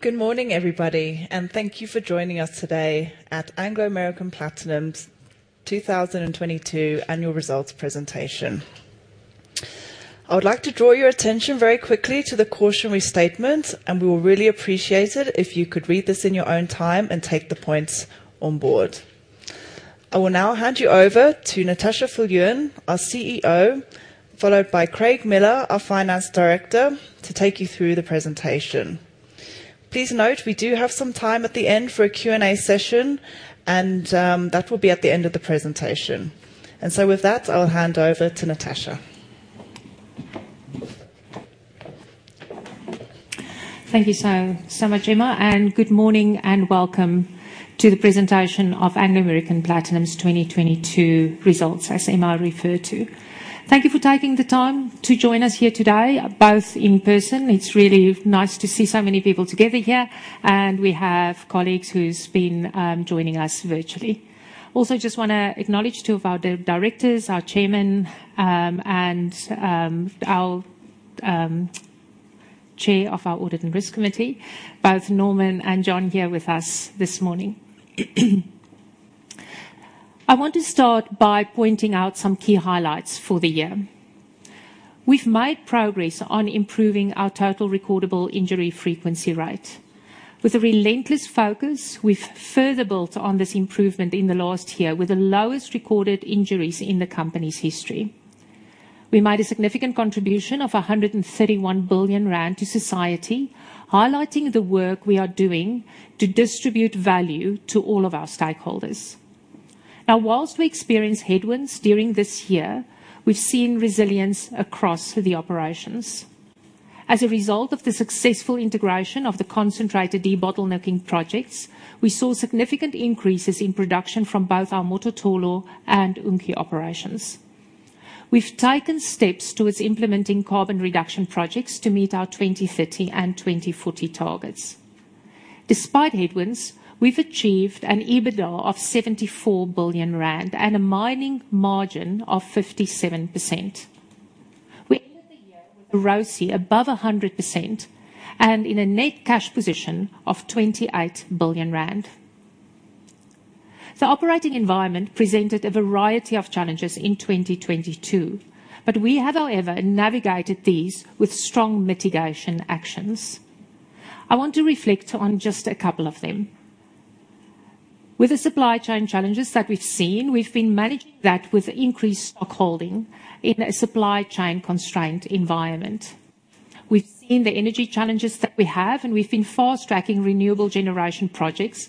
Good morning, everybody, and thank you for joining us today at Anglo American Platinum's 2022 annual results presentation. I would like to draw your attention very quickly to the cautionary statement, and we will really appreciate it if you could read this in your own time and take the points on board. I will now hand you over to Natascha Viljoen, our CEO, followed by Craig Miller, our finance director, to take you through the presentation. Please note we do have some time at the end for a Q&A session, and that will be at the end of the presentation. With that, I'll hand over to Natascha. Thank you so much, Emma. Good morning and welcome to the presentation of Anglo American Platinum's 2022 results, as Emma referred to. Thank you for taking the time to join us here today, both in person. It's really nice to see so many people together here, and we have colleagues who's been joining us virtually. Also just wanna acknowledge two of our directors, our Chairman, and our Chair of our Audit and Risk Committee, both Norman and John here with us this morning. I want to start by pointing out some key highlights for the year. We've made progress on improving our Total Recordable Injury Frequency Rate. With a relentless focus, we've further built on this improvement in the last year with the lowest recorded injuries in the company's history. We made a significant contribution of 131 billion rand to society, highlighting the work we are doing to distribute value to all of our stakeholders. While we experienced headwinds during this year, we've seen resilience across the operations. As a result of the successful integration of the concentrated debottlenecking projects, we saw significant increases in production from both our Mototolo and Unki operations. We've taken steps towards implementing carbon reduction projects to meet our 2030 and 2040 targets. Despite headwinds, we've achieved an EBITDA of 74 billion rand and a mining margin of 57%. We ended the year with a ROCE above 100% and in a net cash position of 28 billion rand. The operating environment presented a variety of challenges in 2022, but we have, however, navigated these with strong mitigation actions. I want to reflect on just a couple of them. With the supply chain challenges that we've seen, we've been managing that with increased stockholding in a supply chain constraint environment. We've seen the energy challenges that we have, and we've been fast-tracking renewable generation projects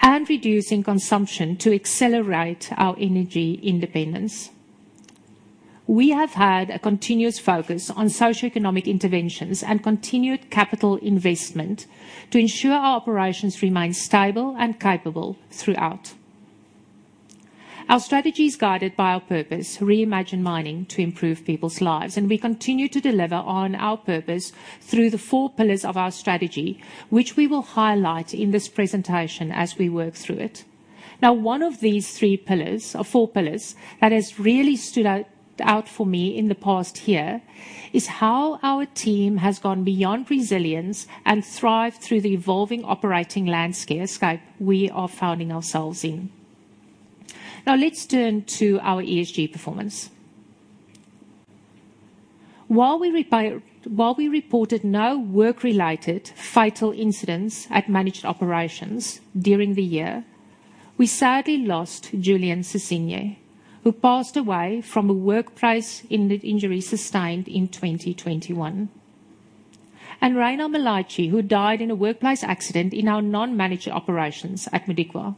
and reducing consumption to accelerate our energy independence. We have had a continuous focus on socioeconomic interventions and continued capital investment to ensure our operations remain stable and capable throughout. Our strategy is guided by our purpose, reimagine mining to improve people's lives, and we continue to deliver on our purpose through the four pillars of our strategy, which we will highlight in this presentation as we work through it. One of these three pillars or four pillars that has really stood out for me in the past year is how our team has gone beyond resilience and thrive through the evolving operating landscape we are finding ourselves in. Let's turn to our ESG performance. While we reported no work-related fatal incidents at managed operations during the year, we sadly lost Julian Sesinyi, who passed away from a workplace injury sustained in 2021, and Rheina Malatji, who died in a workplace accident in our non-managed operations at Modikwa.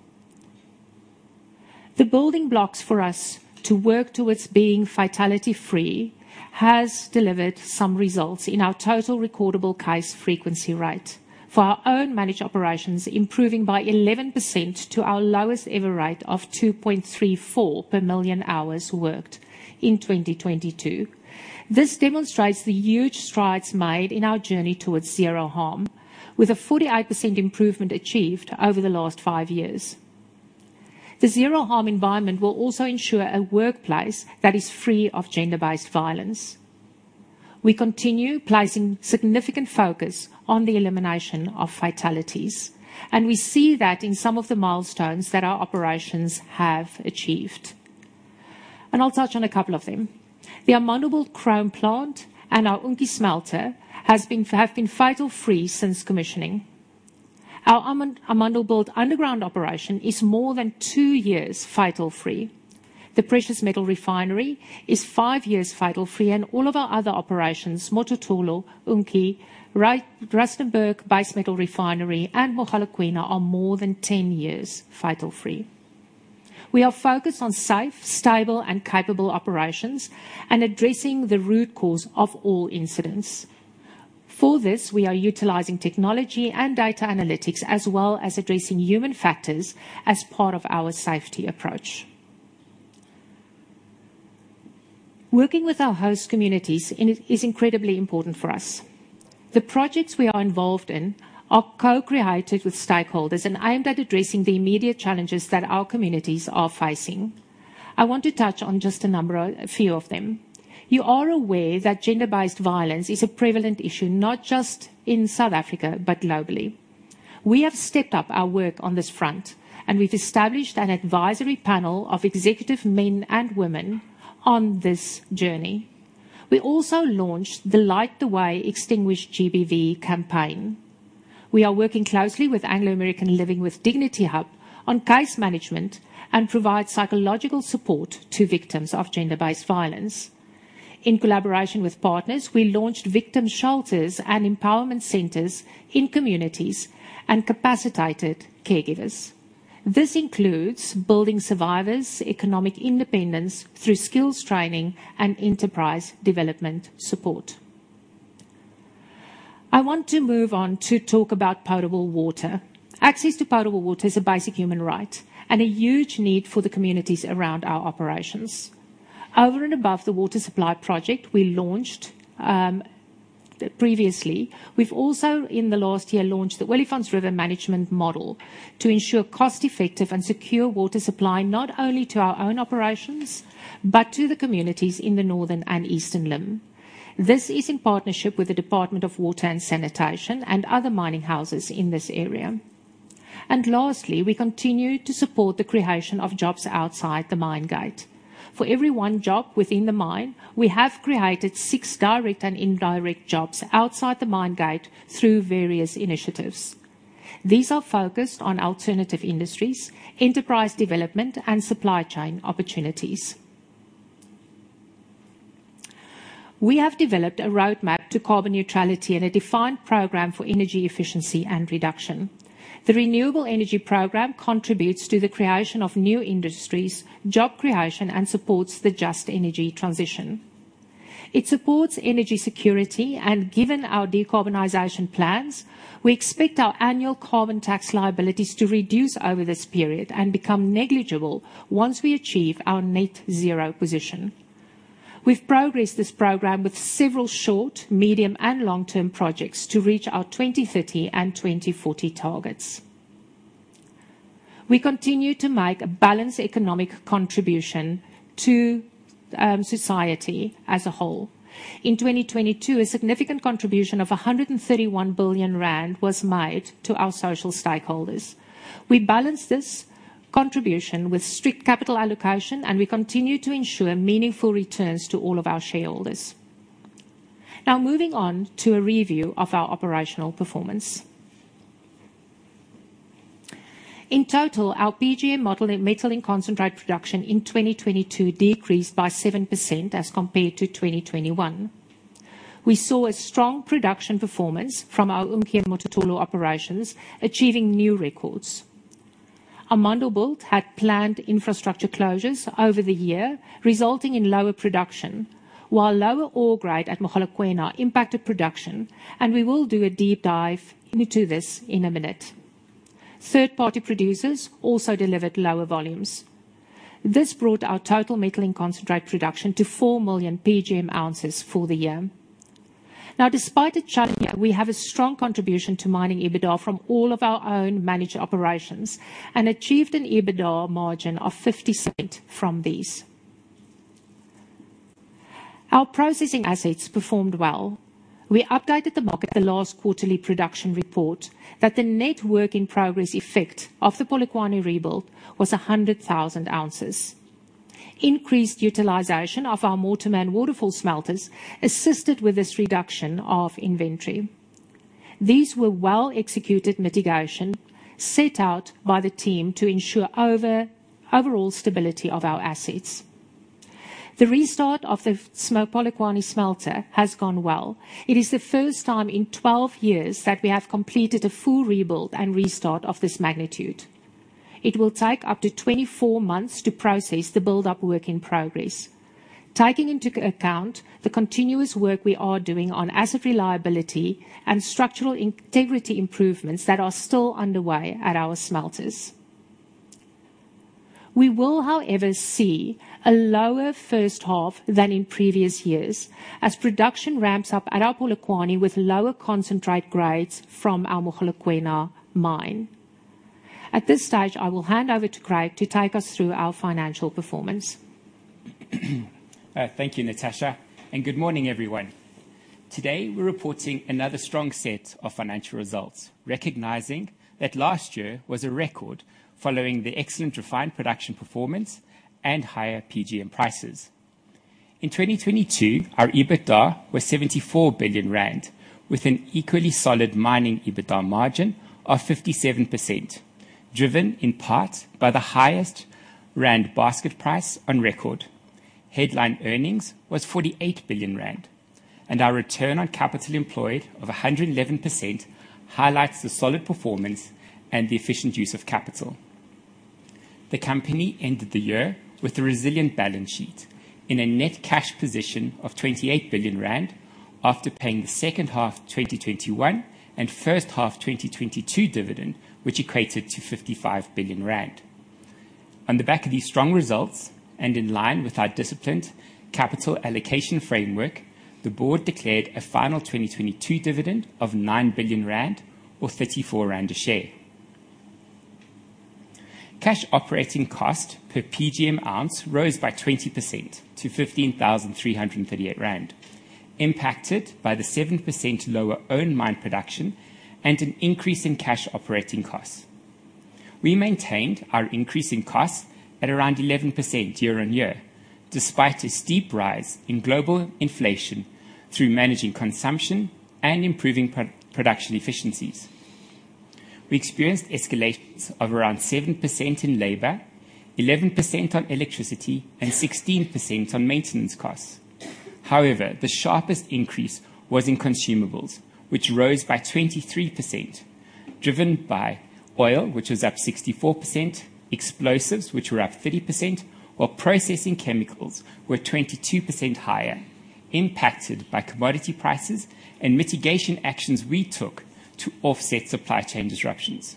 The building blocks for us to work towards being fatality-free has delivered some results in our Total Recordable Case Frequency Rate for our own managed operations, improving by 11% to our lowest-ever rate of 2.34 per million hours worked in 2022. This demonstrates the huge strides made in our journey towards zero harm, with a 48% improvement achieved over the last five years. The zero-harm environment will also ensure a workplace that is free of gender-based violence. We continue placing significant focus on the elimination of fatalities, and we see that in some of the milestones that our operations have achieved, and I'll touch on a couple of them. The Amandelbult chrome plant and our Unki smelter have been fatal-free since commissioning. Our Amandelbult underground operation is more than two years fatal-free. The precious metal refinery is five years fatal-free, and all of our other operations, Mototolo, Unki, Rustenburg, base metal refinery, and Mogalakwena, are more than 10 years fatal-free. We are focused on safe, stable and capable operations and addressing the root cause of all incidents. For this, we are utilizing technology and data analytics as well as addressing human factors as part of our safety approach. Working with our host communities is incredibly important for us. The projects we are involved in are co-created with stakeholders and aimed at addressing the immediate challenges that our communities are facing. I want to touch on just a few of them. You are aware that gender-based violence is a prevalent issue, not just in South Africa, but globally. We have stepped up our work on this front, and we've established an advisory panel of executive men and women on this journey. We also launched the Light the Way Extinguish GBV campaign. We are working closely with Anglo American Living with Dignity Hub on case management and provide psychological support to victims of gender-based violence. In collaboration with partners, we launched victim shelters and empowerment centers in communities and capacitated caregivers. This includes building survivors' economic independence through skills training and enterprise development support. I want to move on to talk about potable water. Access to potable water is a basic human right and a huge need for the communities around our operations. Over and above the water supply project we launched, previously, we've also, in the last year, launched the Wilgefontein River Management Model to ensure cost-effective and secure water supply, not only to our own operations, but to the communities in the northern and eastern limb. This is in partnership with the Department of Water and Sanitation and other mining houses in this area. Lastly, we continue to support the creation of jobs outside the mine gate. For every one job within the mine, we have created six direct and indirect jobs outside the mine gate through various initiatives. These are focused on alternative industries, enterprise development, and supply chain opportunities. We have developed a roadmap to carbon neutrality and a defined program for energy efficiency and reduction. The renewable energy program contributes to the creation of new industries, job creation, and supports the just energy transition. It supports energy security, and given our decarbonization plans, we expect our annual carbon tax liabilities to reduce over this period and become negligible once we achieve our net zero position. We've progressed this program with several short, medium, and long-term projects to reach our 2030 and 2040 targets. We continue to make a balanced economic contribution to society as a whole. In 2022, a significant contribution of 131 billion rand was made to our social stakeholders. We balanced this contribution with strict capital allocation, and we continue to ensure meaningful returns to all of our shareholders. Moving on to a review of our operational performance. In total, our PGM model and metal concentrate production in 2022 decreased by 7% as compared to 2021. We saw a strong production performance from our Unki operations, achieving new records. Amandelbult had planned infrastructure closures over the year, resulting in lower production, while lower ore grade at Mogalakwena impacted production. We will do a deep dive into this in a minute. Third-party producers also delivered lower volumes. This brought our total metal concentrate production to four million PGM ounces for the year. Despite the challenge, we have a strong contribution to mining EBITDA from all of our own managed operations and achieved an EBITDA margin of 50% from these. Our processing assets performed well. We updated the market the last quarterly production report that the net work in progress effect of the Polokwane rebuild was 100,000 ounces. Increased utilization of our Mortimer and Waterval smelters assisted with this reduction of inventory. These were well-executed mitigation set out by the team to ensure overall stability of our assets. The restart of the Polokwane smelter has gone well. It is the first time in 12 years that we have completed a full rebuild and restart of this magnitude. It will take up to 24 months to process the buildup work in progress. Taking into account the continuous work we are doing on asset reliability and structural integrity improvements that are still underway at our smelters. We will, however, see a lower first half than in previous years as production ramps up at our Polokwane with lower concentrate grades from our Mogalakwena mine. At this stage, I will hand over to Craig to take us through our financial performance. Thank you, Natascha, and good morning, everyone. Today, we're reporting another strong set of financial results, recognizing that last year was a record following the excellent refined production performance and higher PGM prices. In 2022, our EBITDA was 74 billion rand, with an equally solid mining EBITDA margin of 57%, driven in part by the highest rand basket price on record. Headline earnings was 48 billion rand, and our return on capital employed of 111% highlights the solid performance and the efficient use of capital. The company ended the year with a resilient balance sheet in a net cash position of 28 billion rand after paying the second half 2021 and first half 2022 dividend, which equated to 55 billion rand. On the back of these strong results, and in line with our disciplined capital allocation framework, the board declared a final 2022 dividend of 9 billion rand or 34 rand a share. Cash operating cost per PGM ounce rose by 20%- 15,338 rand, impacted by the 7% lower own mine production and an increase in cash operating costs. We maintained our increase in costs at around 11% year-over-year, despite a steep rise in global inflation through managing consumption and improving pro-production efficiencies. We experienced escalations of around 7% in labor, 11% on electricity, and 16% on maintenance costs. The sharpest increase was in consumables, which rose by 23%, driven by oil, which was up 64%, explosives, which were up 30%, while processing chemicals were 22% higher, impacted by commodity prices and mitigation actions we took to offset supply chain disruptions.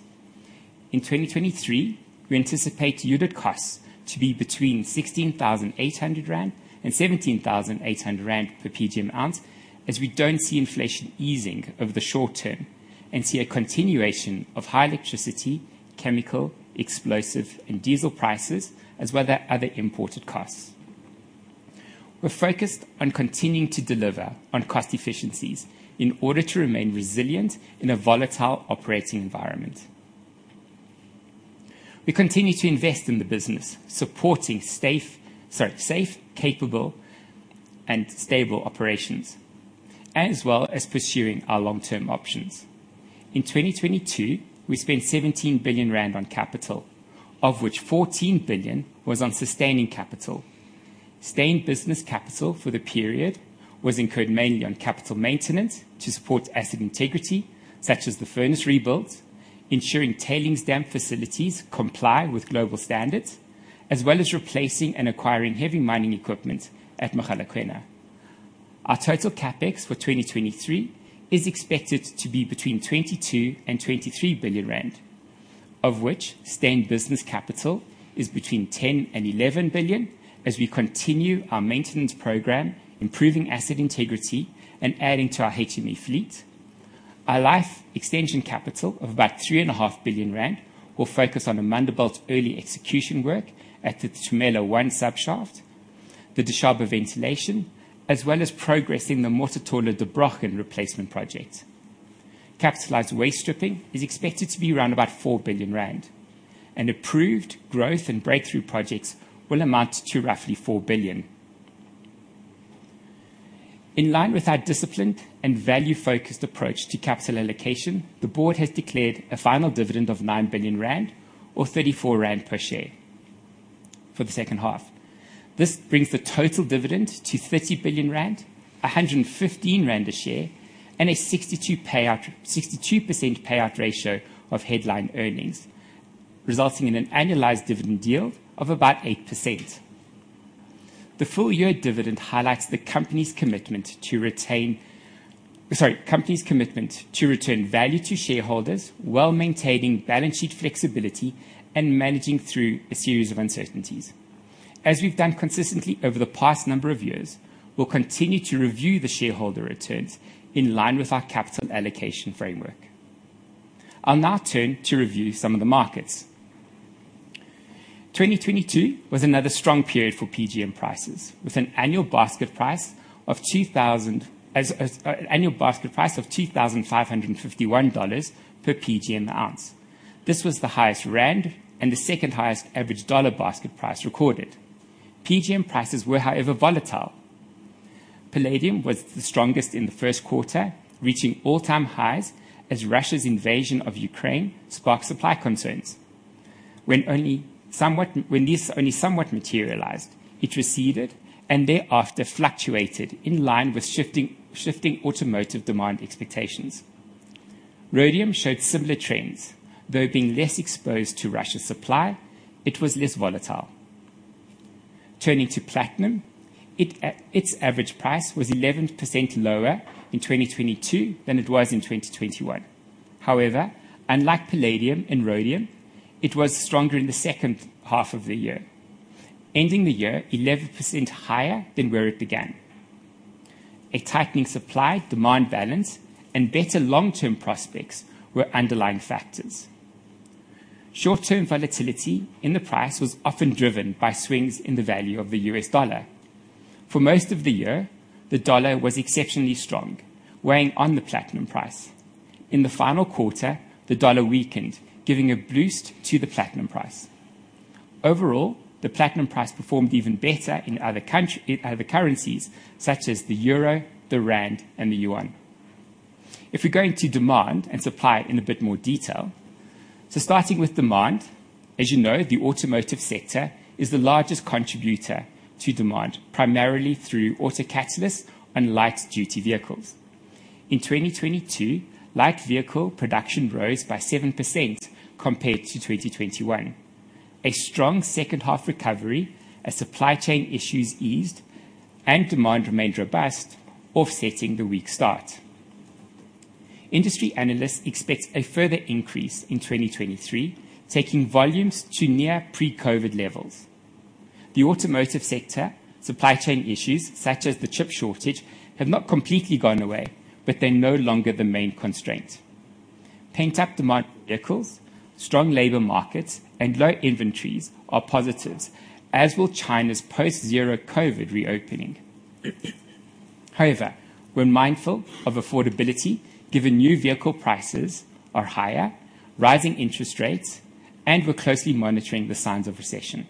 In 2023, we anticipate unit costs to be between 16,800 rand and 17,800 rand per PGM ounce, as we don't see inflation easing over the short term and see a continuation of high electricity, chemical, explosive, and diesel prices, as well as other imported costs. We're focused on continuing to deliver on cost efficiencies in order to remain resilient in a volatile operating environment. We continue to invest in the business, supporting safe, capable, and stable operations, as well as pursuing our long-term options. In 2022, we spent 17 billion rand on capital, of which 14 billion was on sustaining capital. Staying business capital for the period was incurred mainly on capital maintenance to support asset integrity, such as the furnace rebuild, ensuring tailings dam facilities comply with global standards, as well as replacing and acquiring heavy mining equipment at Mogalakwena. Our total CapEx for 2023 is expected to be between 22 billion and 23 billion rand, of which staying business capital is between 10 billion and 11 billion as we continue our maintenance program, improving asset integrity, and adding to our HME fleet. Our life extension capital of about three and a half billion rand will focus on the Amandelbult early execution work at the Tumela One subshaft, the Dishaba ventilation, as well as progressing the Mototolo Der Brochen replacement project. Capitalized waste stripping is expected to be around about 4 billion rand. An approved growth and breakthrough projects will amount to roughly 4 billion. In line with our disciplined and value-focused approach to capital allocation, the board has declared a final dividend of 9 billion rand or 34 rand per share for the second half. This brings the total dividend to 30 billion rand, 115 rand a share, and a 62% payout ratio of headline earnings, resulting in an annualized dividend yield of about 8%. The full year dividend highlights the company's commitment to return value to shareholders while maintaining balance sheet flexibility and managing through a series of uncertainties. As we've done consistently over the past number of years, we'll continue to review the shareholder returns in line with our capital allocation framework. I'll now turn to review some of the markets. 2022 was another strong period for PGM prices, with an annual basket price of $2,551 per PGM ounce. This was the highest rand and the second highest average dollar basket price recorded. PGM prices were, however, volatile. Palladium was the strongest in the 1st quarter, reaching all-time highs as Russia's invasion of Ukraine sparked supply concerns. When these only somewhat materialized, it receded and thereafter fluctuated in line with shifting automotive demand expectations. Rhodium showed similar trends. Though being less exposed to Russia's supply, it was less volatile. Turning to platinum, its average price was 11% lower in 2022 than it was in 2021. However, unlike Palladium and Rhodium, it was stronger in the second half of the year, ending the year 11% higher than where it began. A tightening supply, demand balance, and better long-term prospects were underlying factors. Short-term volatility in the price was often driven by swings in the value of the US dollar. For most of the year, the dollar was exceptionally strong, weighing on the Platinum price. In the final quarter, the dollar weakened, giving a boost to the Platinum price. The Platinum price performed even better in other currencies such as the euro, the rand, and the yuan. If we go into demand and supply in a bit more detail. Starting with demand, as you know, the automotive sector is the largest contributor to demand, primarily through Autocatalysts and light-duty vehicles. In 2022, light vehicle production rose by 7% compared to 2021. A strong second half recovery as supply chain issues eased and demand remained robust, offsetting the weak start. Industry analysts expect a further increase in 2023, taking volumes to near pre-COVID levels. The automotive sector supply chain issues, such as the chip shortage, have not completely gone away, but they're no longer the main constraint. Pent-up demand vehicles, strong labor markets, and low inventories are positives, as will China's post zero-COVID reopening. We're mindful of affordability given new vehicle prices are higher, rising interest rates, and we're closely monitoring the signs of recession.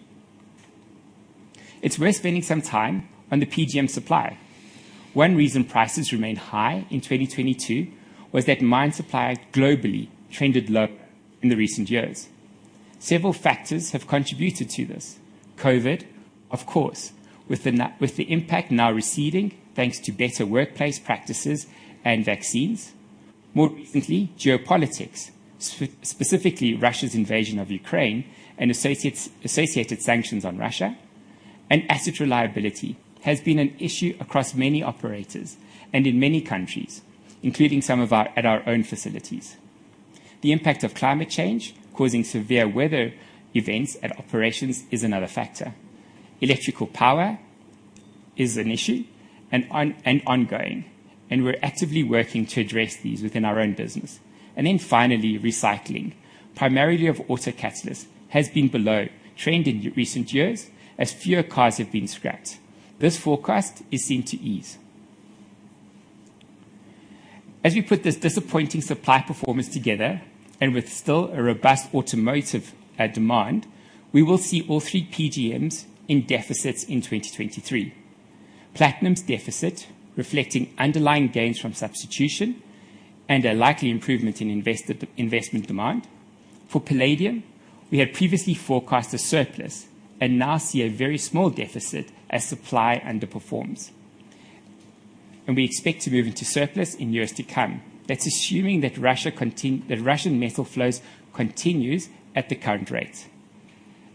It's worth spending some time on the PGM supply. One reason prices remained high in 2022 was that mine supply globally trended lower in the recent years. Several factors have contributed to this. COVID, of course, with the impact now receding thanks to better workplace practices and vaccines. More recently, geopolitics, specifically Russia's invasion of Ukraine and associated sanctions on Russia. Asset reliability has been an issue across many operators and in many countries, including some of our own facilities. The impact of climate change causing severe weather events at operations is another factor. Electrical power is an issue and ongoing, and we're actively working to address these within our own business. Finally, recycling, primarily of autocatalysts, has been below trend in recent years as fewer cars have been scrapped. This forecast is seen to ease. As we put this disappointing supply performance together and with still a robust automotive demand, we will see all three PGMs in deficits in 2023. Platinum's deficit reflecting underlying gains from substitution and a likely improvement in investment demand. For palladium, we had previously forecast a surplus and now see a very small deficit as supply underperforms, and we expect to move into surplus in years to come. That's assuming that Russian metal flows continues at the current rate.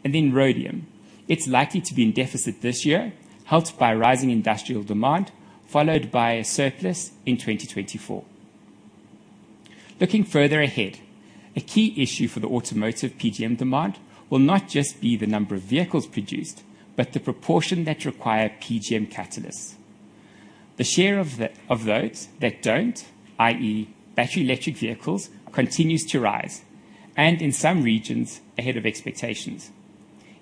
Rhodium. It's likely to be in deficit this year, helped by rising industrial demand, followed by a surplus in 2024. Looking further ahead, a key issue for the automotive PGM demand will not just be the number of vehicles produced, but the proportion that require PGM catalysts. The share of those that don't, i.e., battery electric vehicles, continues to rise, and in some regions ahead of expectations.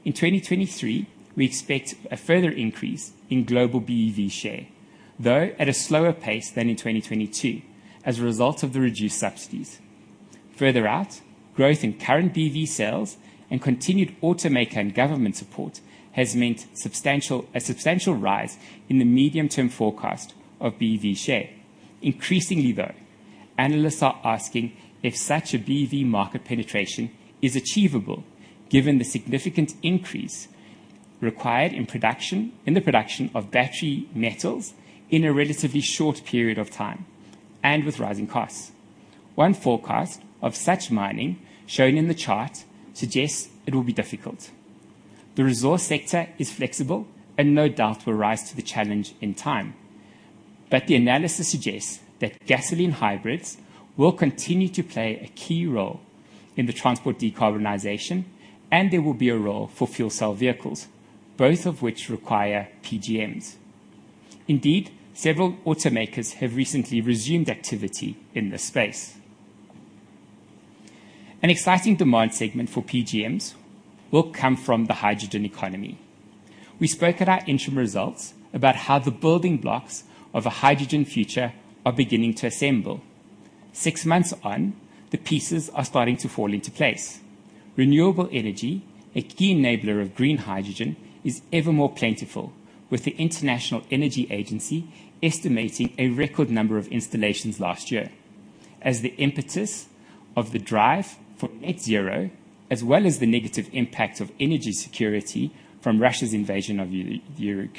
In 2023, we expect a further increase in global BEV share, though at a slower pace than in 2022 as a result of the reduced subsidies. Further out, growth in current BEV sales and continued automaker and government support has meant a substantial rise in the medium-term forecast of BEV share. Increasingly, though, analysts are asking if such a BEV market penetration is achievable given the significant increase required in the production of battery metals in a relatively short period of time and with rising costs. One forecast of such mining, shown in the chart, suggests it will be difficult. The resource sector is flexible and no doubt will rise to the challenge in time. The analysis suggests that gasoline hybrids will continue to play a key role in the transport decarbonization, and there will be a role for fuel cell vehicles, both of which require PGMs. Indeed, several automakers have recently resumed activity in this space. An exciting demand segment for PGMs will come from the hydrogen economy. We spoke at our interim results about how the building blocks of a hydrogen future are beginning to assemble. Six months on, the pieces are starting to fall into place. Renewable energy, a key enabler of green hydrogen, is ever more plentiful, with the International Energy Agency estimating a record number of installations last year as the impetus of the drive for net zero, as well as the negative impact of energy security from Russia's invasion of Ukraine.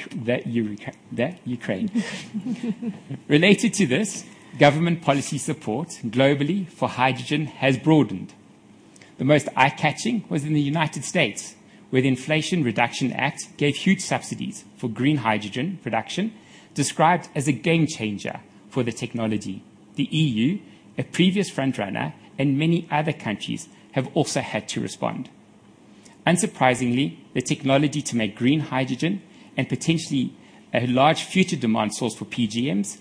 Related to this, government policy support globally for hydrogen has broadened. The most eye-catching was in the United States, where the Inflation Reduction Act gave huge subsidies for green hydrogen production, described as a game changer for the technology. The EU, a previous front runner, and many other countries have also had to respond. Unsurprisingly, the technology to make green hydrogen and potentially a large future demand source for PGMs,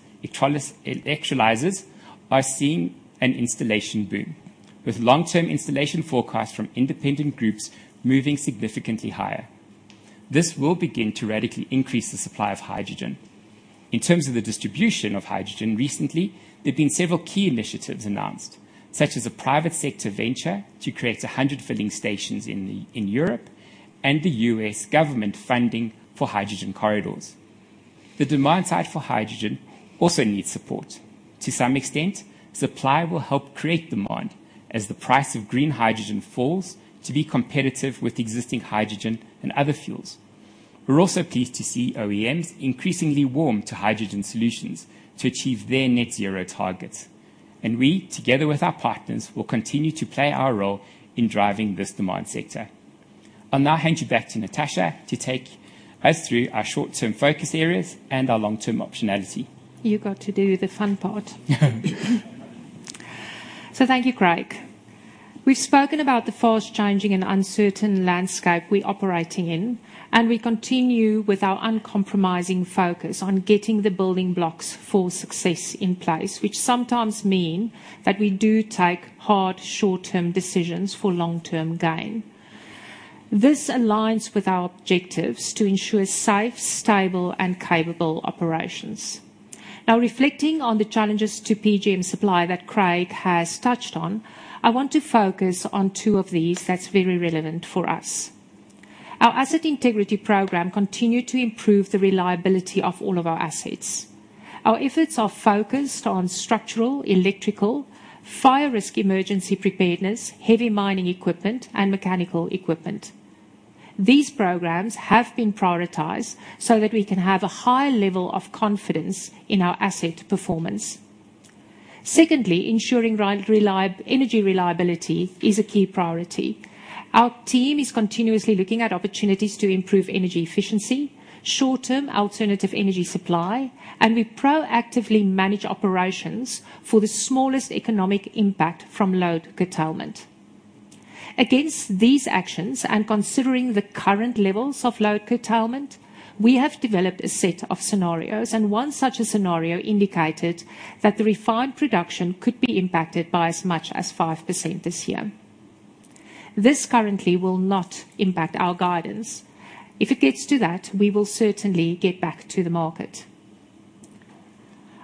electrolysis, are seeing an installation boom, with long-term installation forecasts from independent groups moving significantly higher. This will begin to radically increase the supply of hydrogen. In terms of the distribution of hydrogen recently, there's been several key initiatives announced, such as a private sector venture to create 100 filling stations in Europe and the U.S. government funding for hydrogen corridors. The demand side for hydrogen also needs support. To some extent, supply will help create demand as the price of green hydrogen falls to be competitive with existing hydrogen and other fuels. We're also pleased to see OEMs increasingly warm to hydrogen solutions to achieve their net zero targets. We, together with our partners, will continue to play our role in driving this demand sector. I'll now hand you back to Natascha to take us through our short-term focus areas and our long-term optionality. You got to do the fun part. Thank you, Craig. We've spoken about the fast-changing and uncertain landscape we're operating in, and we continue with our uncompromising focus on getting the building blocks for success in place, which sometimes mean that we do take hard short-term decisions for long-term gain. This aligns with our objectives to ensure safe, stable, and capable operations. Now reflecting on the challenges to PGM supply that Craig has touched on, I want to focus on two of these that's very relevant for us. Our asset integrity program continue to improve the reliability of all of our assets. Our efforts are focused on structural, electrical, fire risk emergency preparedness, heavy mining equipment, and mechanical equipment. These programs have been prioritized so that we can have a high level of confidence in our asset performance. Secondly, ensuring energy reliability is a key priority. Our team is continuously looking at opportunities to improve energy efficiency, short-term alternative energy supply, and we proactively manage operations for the smallest economic impact from load curtailment. Against these actions and considering the current levels of load curtailment, we have developed a set of scenarios, and one such a scenario indicated that the refined production could be impacted by as much as 5% this year. This currently will not impact our guidance. If it gets to that, we will certainly get back to the market.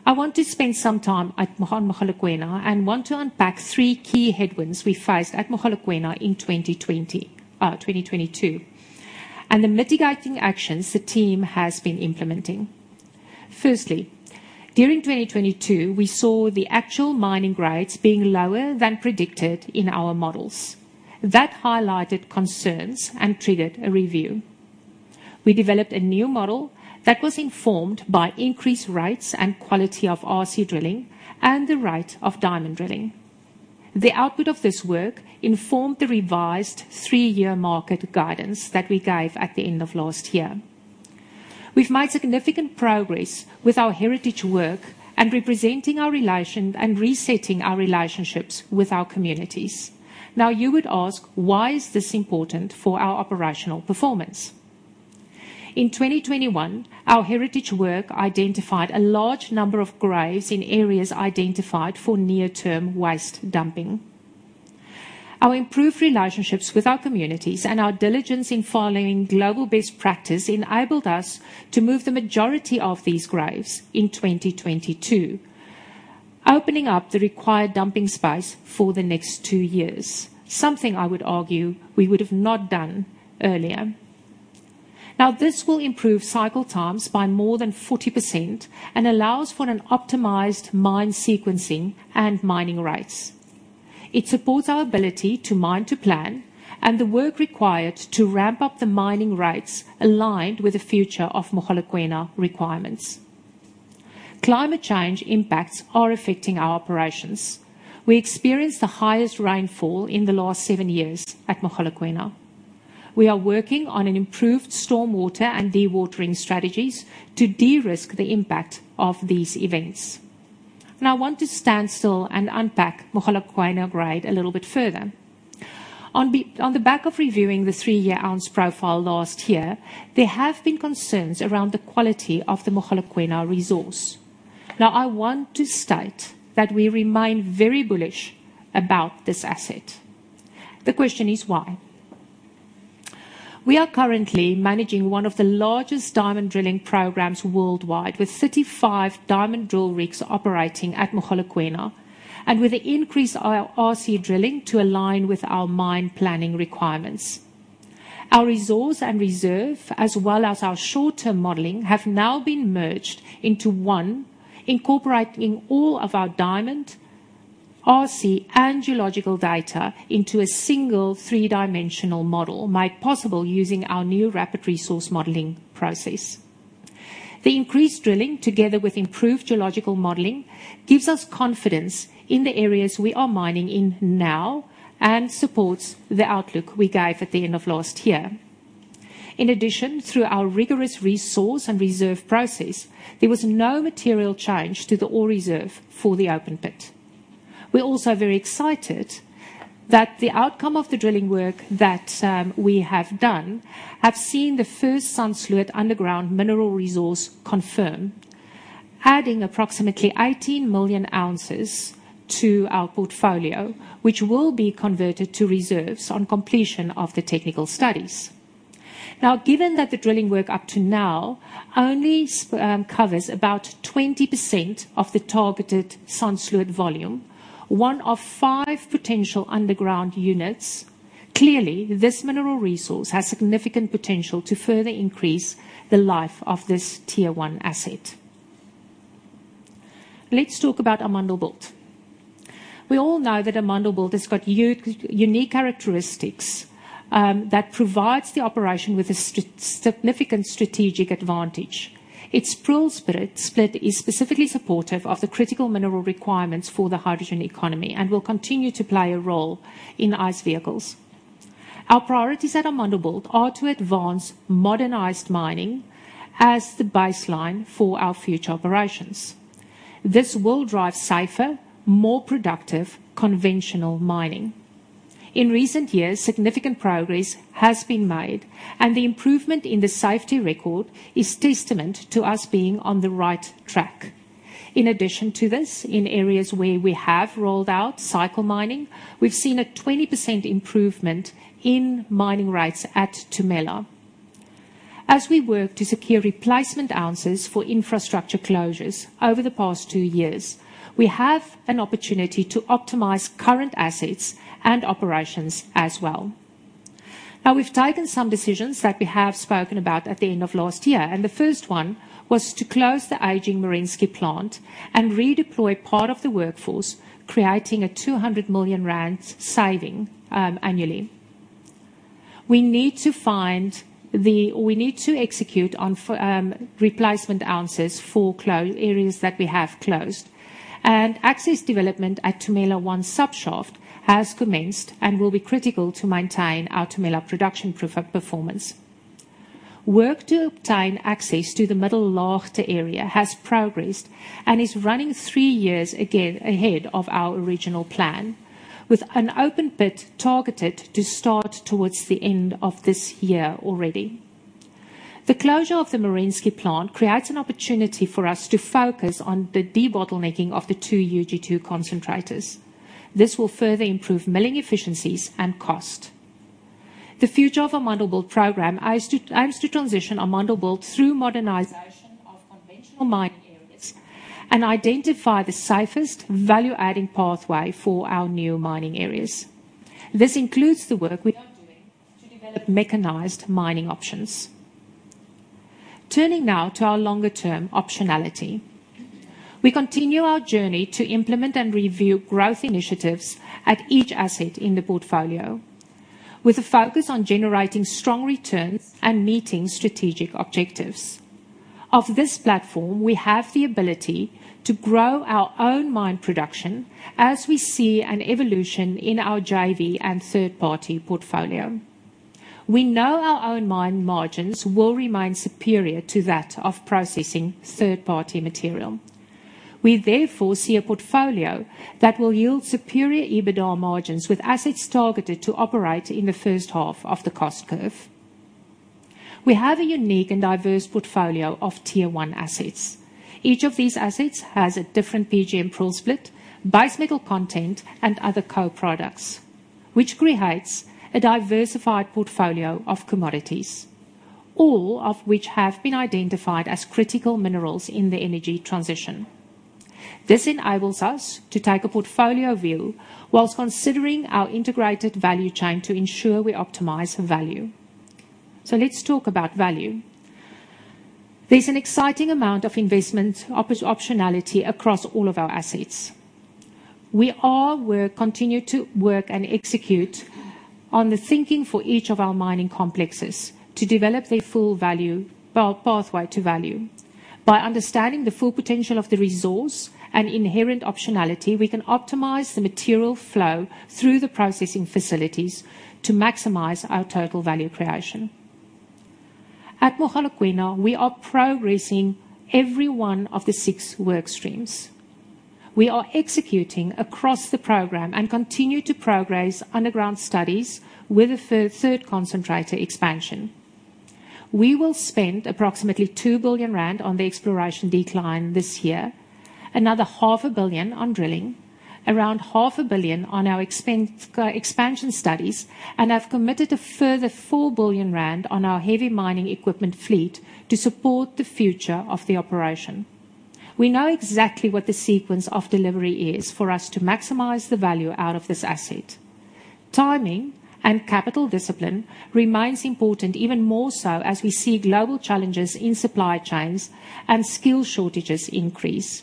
I want to spend some time at Mogalakwena and want to unpack three key headwinds we faced at Mogalakwena in 2022, and the mitigating actions the team has been implementing. Firstly, during 2022, we saw the actual mining rates being lower than predicted in our models. That highlighted concerns and triggered a review. We developed a new model that was informed by increased rates and quality of RC drilling and the rate of diamond drilling. The output of this work informed the revised three-year market guidance that we gave at the end of last year. We've made significant progress with our heritage work and resetting our relationships with our communities. Now, you would ask, why is this important for our operational performance? In 2021, our heritage work identified a large number of graves in areas identified for near-term waste dumping. Our improved relationships with our communities and our diligence in following global best practice enabled us to move the majority of these graves in 2022, opening up the required dumping space for the next two years, something I would argue we would have not done earlier. This will improve cycle times by more than 40% and allows for an optimized mine sequencing and mining rates. It supports our ability to mine to plan and the work required to ramp up the mining rates aligned with the future of Mogalakwena requirements. Climate change impacts are affecting our operations. We experienced the highest rainfall in the last seven years at Mogalakwena. We are working on an improved stormwater and dewatering strategies to de-risk the impact of these events. I want to stand still and unpack Mogalakwena grade a little bit further. On the back of reviewing the three-year ounce profile last year, there have been concerns around the quality of the Mogalakwena resource. I want to state that we remain very bullish about this asset. The question is why? We are currently managing one of the largest diamond drilling programs worldwide with 35 diamond drill rigs operating at Mogalakwena and with increased RC drilling to align with our mine planning requirements. Our resource and reserve, as well as our short-term modeling, have now been merged into one, incorporating all of our diamond, RC, and geological data into a single three-dimensional model, made possible using our new rapid resource modeling process. The increased drilling, together with improved geological modeling, gives us confidence in the areas we are mining in now and supports the outlook we gave at the end of last year. In addition, through our rigorous resource and reserve process, there was no material change to the ore reserve for the open pit. We're also very excited that the outcome of the drilling work that we have done have seen the first Sandsluit underground mineral resource confirmed, adding approximately 18 million ounces to our portfolio, which will be converted to reserves on completion of the technical studies. Given that the drilling work up to now only covers about 20% of the targeted Sandsluit volume, one of five potential underground units, clearly, this mineral resource has significant potential to further increase the life of this tier one asset. Let's talk about Amandelbult. We all know that Amandelbult has got unique characteristics that provides the operation with a significant strategic advantage. Its PGM split is specifically supportive of the critical mineral requirements for the hydrogen economy and will continue to play a role in ICE vehicles. Our priorities at Amandelbult are to advance modernized mining as the baseline for our future operations. This will drive safer, more productive, conventional mining. In recent years, significant progress has been made, and the improvement in the safety record is testament to us being on the right track. In addition to this, in areas where we have rolled out cycle mining, we've seen a 20% improvement in mining rates at Tumela. As we work to secure replacement ounces for infrastructure closures over the past 2 years, we have an opportunity to optimize current assets and operations as well. We've taken some decisions that we have spoken about at the end of last year, the first one was to close the aging Merensky plant and redeploy part of the workforce, creating a 200 million rand saving annually. We need to find We need to execute on replacement ounces for areas that we have closed. Access development at Tumela One Subshaft has commenced and will be critical to maintain our Tumela production performance. Work to obtain access to the Middellaagte area has progressed and is running three years ahead of our original plan, with an open pit targeted to start towards the end of this year already. The closure of the Merensky plant creates an opportunity for us to focus on the debottlenecking of the two UG2 concentrators. This will further improve milling efficiencies and cost. The future of Amandelbult program aims to transition Amandelbult through modernization of conventional mining areas and identify the safest value-adding pathway for our new mining areas. This includes the work we are doing to develop mechanized mining options. Turning now to our longer-term optionality. We continue our journey to implement and review growth initiatives at each asset in the portfolio, with a focus on generating strong returns and meeting strategic objectives. This platform, we have the ability to grow our own mine production as we see an evolution in our JV and third-party portfolio. We know our own mine margins will remain superior to that of processing third-party material. We therefore see a portfolio that will yield superior EBITDA margins with assets targeted to operate in the first half of the cost curve. We have a unique and diverse portfolio of tier one assets. Each of these assets has a different PGM pool split, base metal content, and other co-products, which creates a diversified portfolio of commodities, all of which have been identified as critical minerals in the energy transition. This enables us to take a portfolio view whilst considering our integrated value chain to ensure we optimize the value. Let's talk about value. There's an exciting amount of investment optionality across all of our assets. We continue to work and execute on the thinking for each of our mining complexes to develop their full value pathway to value. By understanding the full potential of the resource and inherent optionality, we can optimize the material flow through the processing facilities to maximize our total value creation. At Mogalakwena, we are progressing every one of the six work streams. We are executing across the program and continue to progress underground studies with a third concentrator expansion. We will spend approximately 2 billion rand on the exploration decline this year, another 500 million on drilling, around ZAR half a billion on our expansion studies, and have committed a further 4 billion rand on our heavy mining equipment fleet to support the future of the operation. We know exactly what the sequence of delivery is for us to maximize the value out of this asset. Timing and capital discipline remains important even more so as we see global challenges in supply chains and skill shortages increase.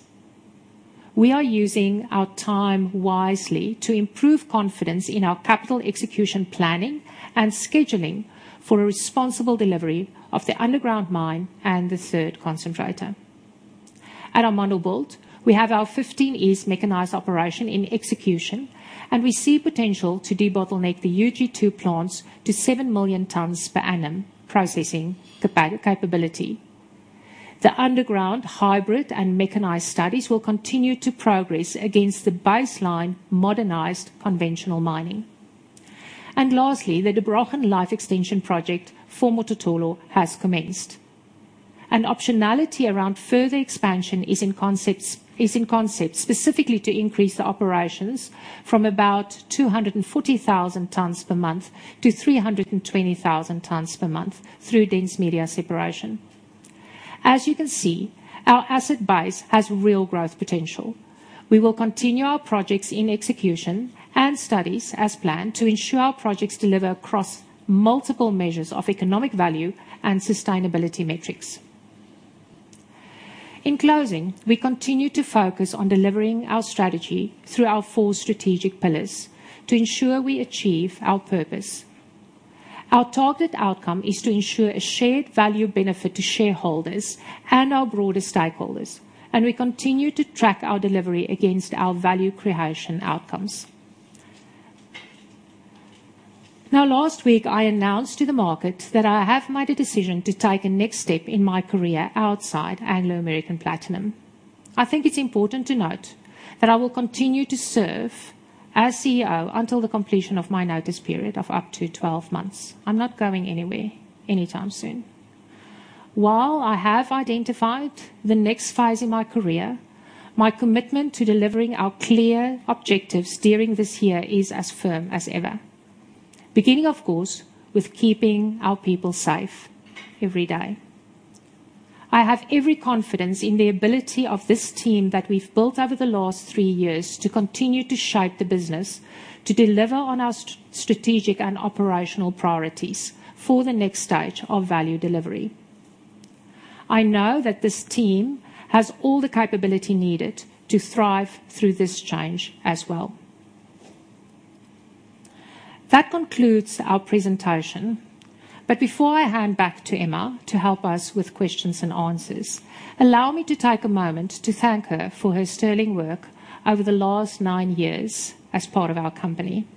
We are using our time wisely to improve confidence in our capital execution planning and scheduling for a responsible delivery of the underground mine and the third concentrator. At Amandelbult, we have our 15 East mechanized operation in execution, and we see potential to debottleneck the UG2 plants to seven million tons per annum processing capability. The underground hybrid and mechanized studies will continue to progress against the baseline modernized conventional mining. Lastly, the Der Brochen Life Extension project for Mototolo has commenced. An optionality around further expansion is in concept, specifically to increase the operations from about 240,000 tons per month to 320,000 tons per month through dense media separation. As you can see, our asset base has real growth potential. We will continue our projects in execution and studies as planned to ensure our projects deliver across multiple measures of economic value and sustainability metrics. In closing, we continue to focus on delivering our strategy through our four strategic pillars to ensure we achieve our purpose. Our target outcome is to ensure a shared value benefit to shareholders and our broader stakeholders, and we continue to track our delivery against our value creation outcomes. Last week, I announced to the market that I have made a decision to take a next step in my career outside Anglo American Platinum. I think it's important to note that I will continue to serve as CEO until the completion of my notice period of up to 12 months. I'm not going anywhere anytime soon. While I have identified the next phase in my career, my commitment to delivering our clear objectives during this year is as firm as ever, beginning, of course, with keeping our people safe every day. I have every confidence in the ability of this team that we've built over the last three years to continue to shape the business to deliver on our strategic and operational priorities for the next stage of value delivery. I know that this team has all the capability needed to thrive through this change as well. That concludes our presentation. Before I hand back to Emma to help us with questions and answers, allow me to take a moment to thank her for her sterling work over the last nine years as part of our company.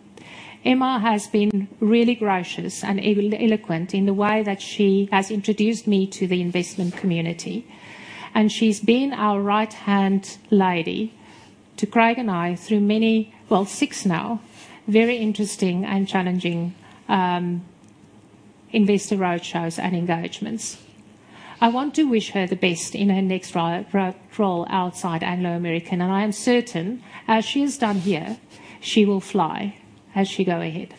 Emma has been really gracious and eloquent in the way that she has introduced me to the investment community, and she's been our right-hand lady to Craig and I through many, well, six now, very interesting and challenging investor road shows and engagements. I want to wish her the best in her next role outside Anglo American, I am certain, as she has done here, she will fly as she go ahead.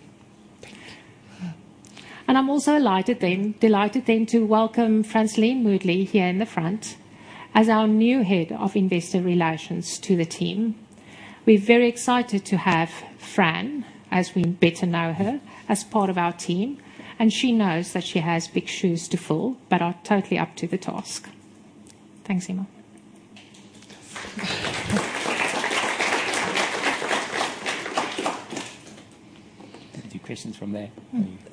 I'm also delighted then to welcome Franceline Moodley here in the front as our new head of investor relations to the team. We're very excited to have Fran, as we better know her, as part of our team, and she knows that she has big shoes to fill, but are totally up to the task. Thanks, Emma. Do questions from there.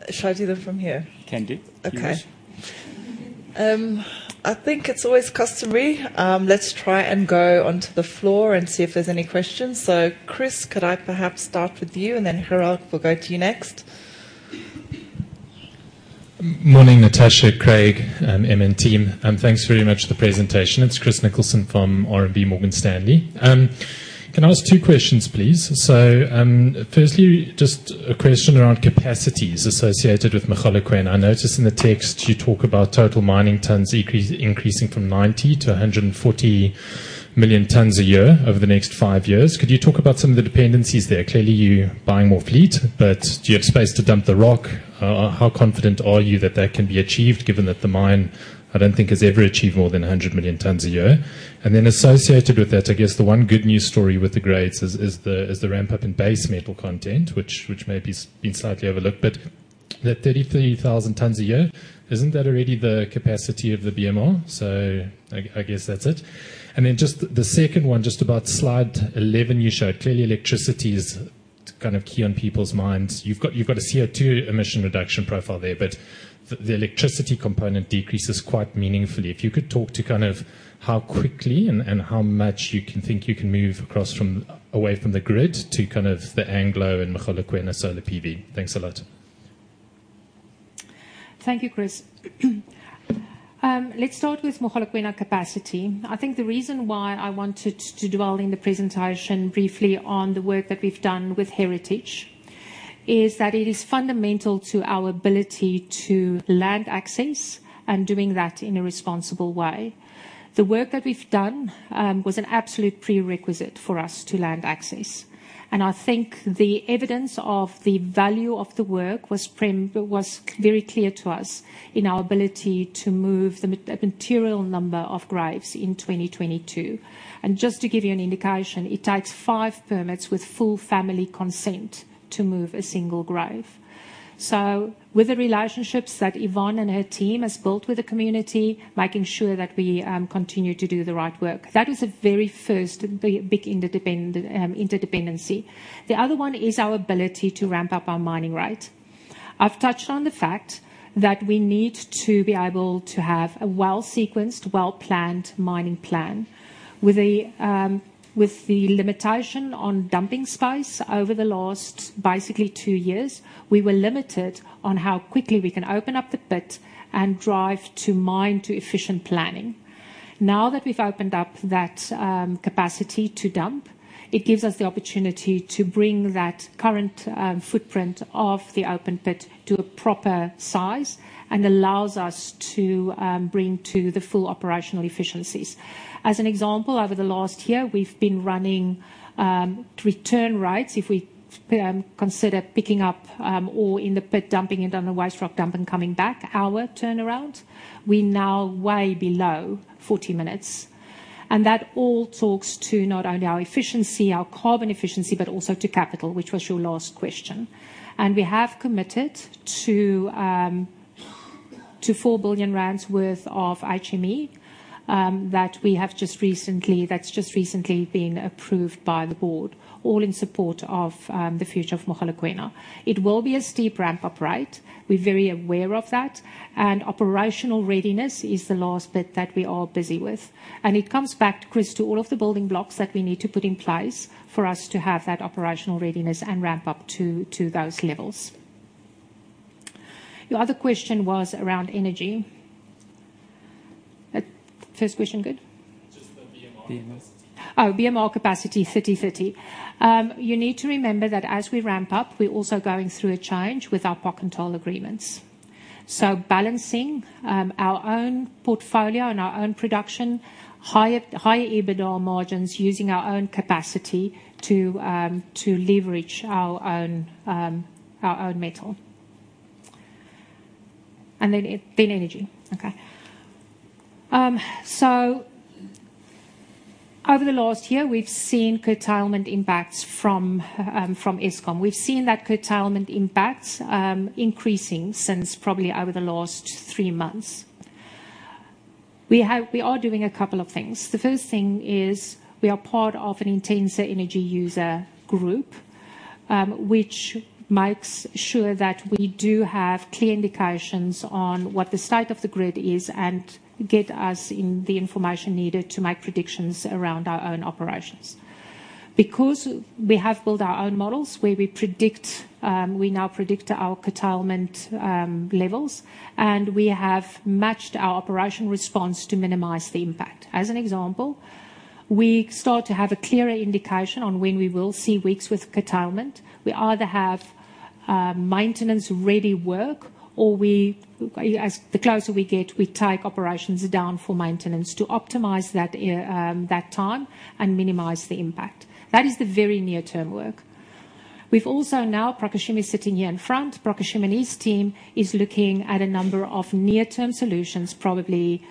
Shall I do them from here? Can do. Okay. If you wish. I think it's always customary, let's try and go onto the floor and see if there's any questions. Chris, could I perhaps start with you, then Gerhard, we'll go to you next. Morning, Natascha, Craig, Emma and team. Thanks very much for the presentation. It's Chris Nicholson from RMB Morgan Stanley. Can I ask two questions, please? Firstly, just a question around capacities associated with Mogalakwena. I noticed in the text you talk about total mining tons increasing from 90-140 million tons a year over the next five years. Could you talk about some of the dependencies there? Clearly, you're buying more fleet, but do you have space to dump the rock? How confident are you that that can be achieved given that the mine, I don't think, has ever achieved more than 100 million tons a year? Associated with that, I guess the one good news story with the grades is the ramp-up in base metal content, which may be been slightly overlooked. That 33,000 tons a year, isn't that already the capacity of the BMR? I guess that's it. Then just the second one, just about slide 11, you showed clearly electricity is kind of key on people's minds. You've got a CO2 emission reduction profile there, but the electricity component decreases quite meaningfully. If you could talk to kind of how quickly and how much you can think you can move away from the grid to kind of the Anglo and Mogalakwena solar PV. Thanks a lot. Thank you, Chris. Let's start with Mogalakwena capacity. I think the reason why I wanted to dwell in the presentation briefly on the work that we've done with Heritage is that it is fundamental to our ability to land access and doing that in a responsible way. The work that we've done was an absolute prerequisite for us to land access, and I think the evidence of the value of the work was very clear to us in our ability to move a material number of graves in 2022. Just to give you an indication, it takes five permits with full family consent to move a single grave. With the relationships that Yvonne and her team has built with the community, making sure that we continue to do the right work, that is a very first big interdependent interdependency. The other one is our ability to ramp up our mining rate. I've touched on the fact that we need to be able to have a well-sequenced, well-planned mining plan. With the limitation on dumping space over the last basically two years, we were limited on how quickly we can open up the pit and drive to mine to efficient planning. Now that we've opened up that capacity to dump, it gives us the opportunity to bring that current footprint of the open pit to a proper size and allows us to bring to the full operational efficiencies. As an example, over the last year, we've been running return rates. If we consider picking up ore in the pit, dumping it on the waste rock dump and coming back, our turnaround, we're now way below 40 minutes. That all talks to not only our efficiency, our carbon efficiency, but also to capital, which was your last question. We have committed to 4 billion rand worth of HME that's just recently been approved by the board, all in support of the future of Mogalakwena. It will be a steep ramp up, right? We're very aware of that, and operational readiness is the last bit that we are busy with. It comes back, Chris, to all of the building blocks that we need to put in place for us to have that operational readiness and ramp up to those levels. Your other question was around energy. First question good? Just the BMR capacity. BMR capacity 3030. You need to remember that as we ramp up, we're also going through a change with our power control agreements. Balancing our own portfolio and our own production, higher EBITDA margins using our own capacity to leverage our own metal. Then energy. Okay. Over the last year, we've seen curtailment impacts from Eskom. We've seen that curtailment impacts increasing since probably over the last three months. We are doing a couple of things. The first thing is we are part of an intensive energy user group, which makes sure that we do have clear indications on what the state of the grid is and get us in the information needed to make predictions around our own operations. We have built our own models where we predict, we now predict our curtailment levels, and we have matched our operation response to minimize the impact. As an example, we start to have a clearer indication on when we will see weeks with curtailment. We either have maintenance ready work or we, as the closer we get, we take operations down for maintenance to optimize that time and minimize the impact. That is the very near-term work. We've also now, Prakashim is sitting here in front. Prakashim and his team is looking at a number of near-term solutions, probably,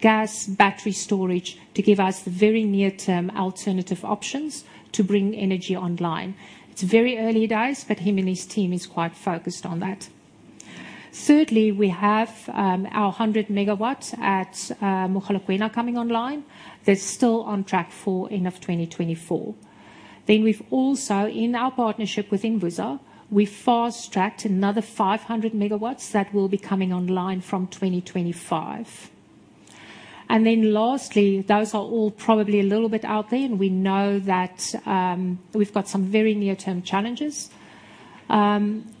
gas, battery storage, to give us the very near-term alternative options to bring energy online. It's very early days, him and his team is quite focused on that. Thirdly, we have our 100 MW at Mogalakwena coming online. They're still on track for end of 2024. We've also, in our partnership with Envusa, we fast-tracked another 500 MW that will be coming online from 2025. Lastly, those are all probably a little bit out there, and we know that we've got some very near-term challenges.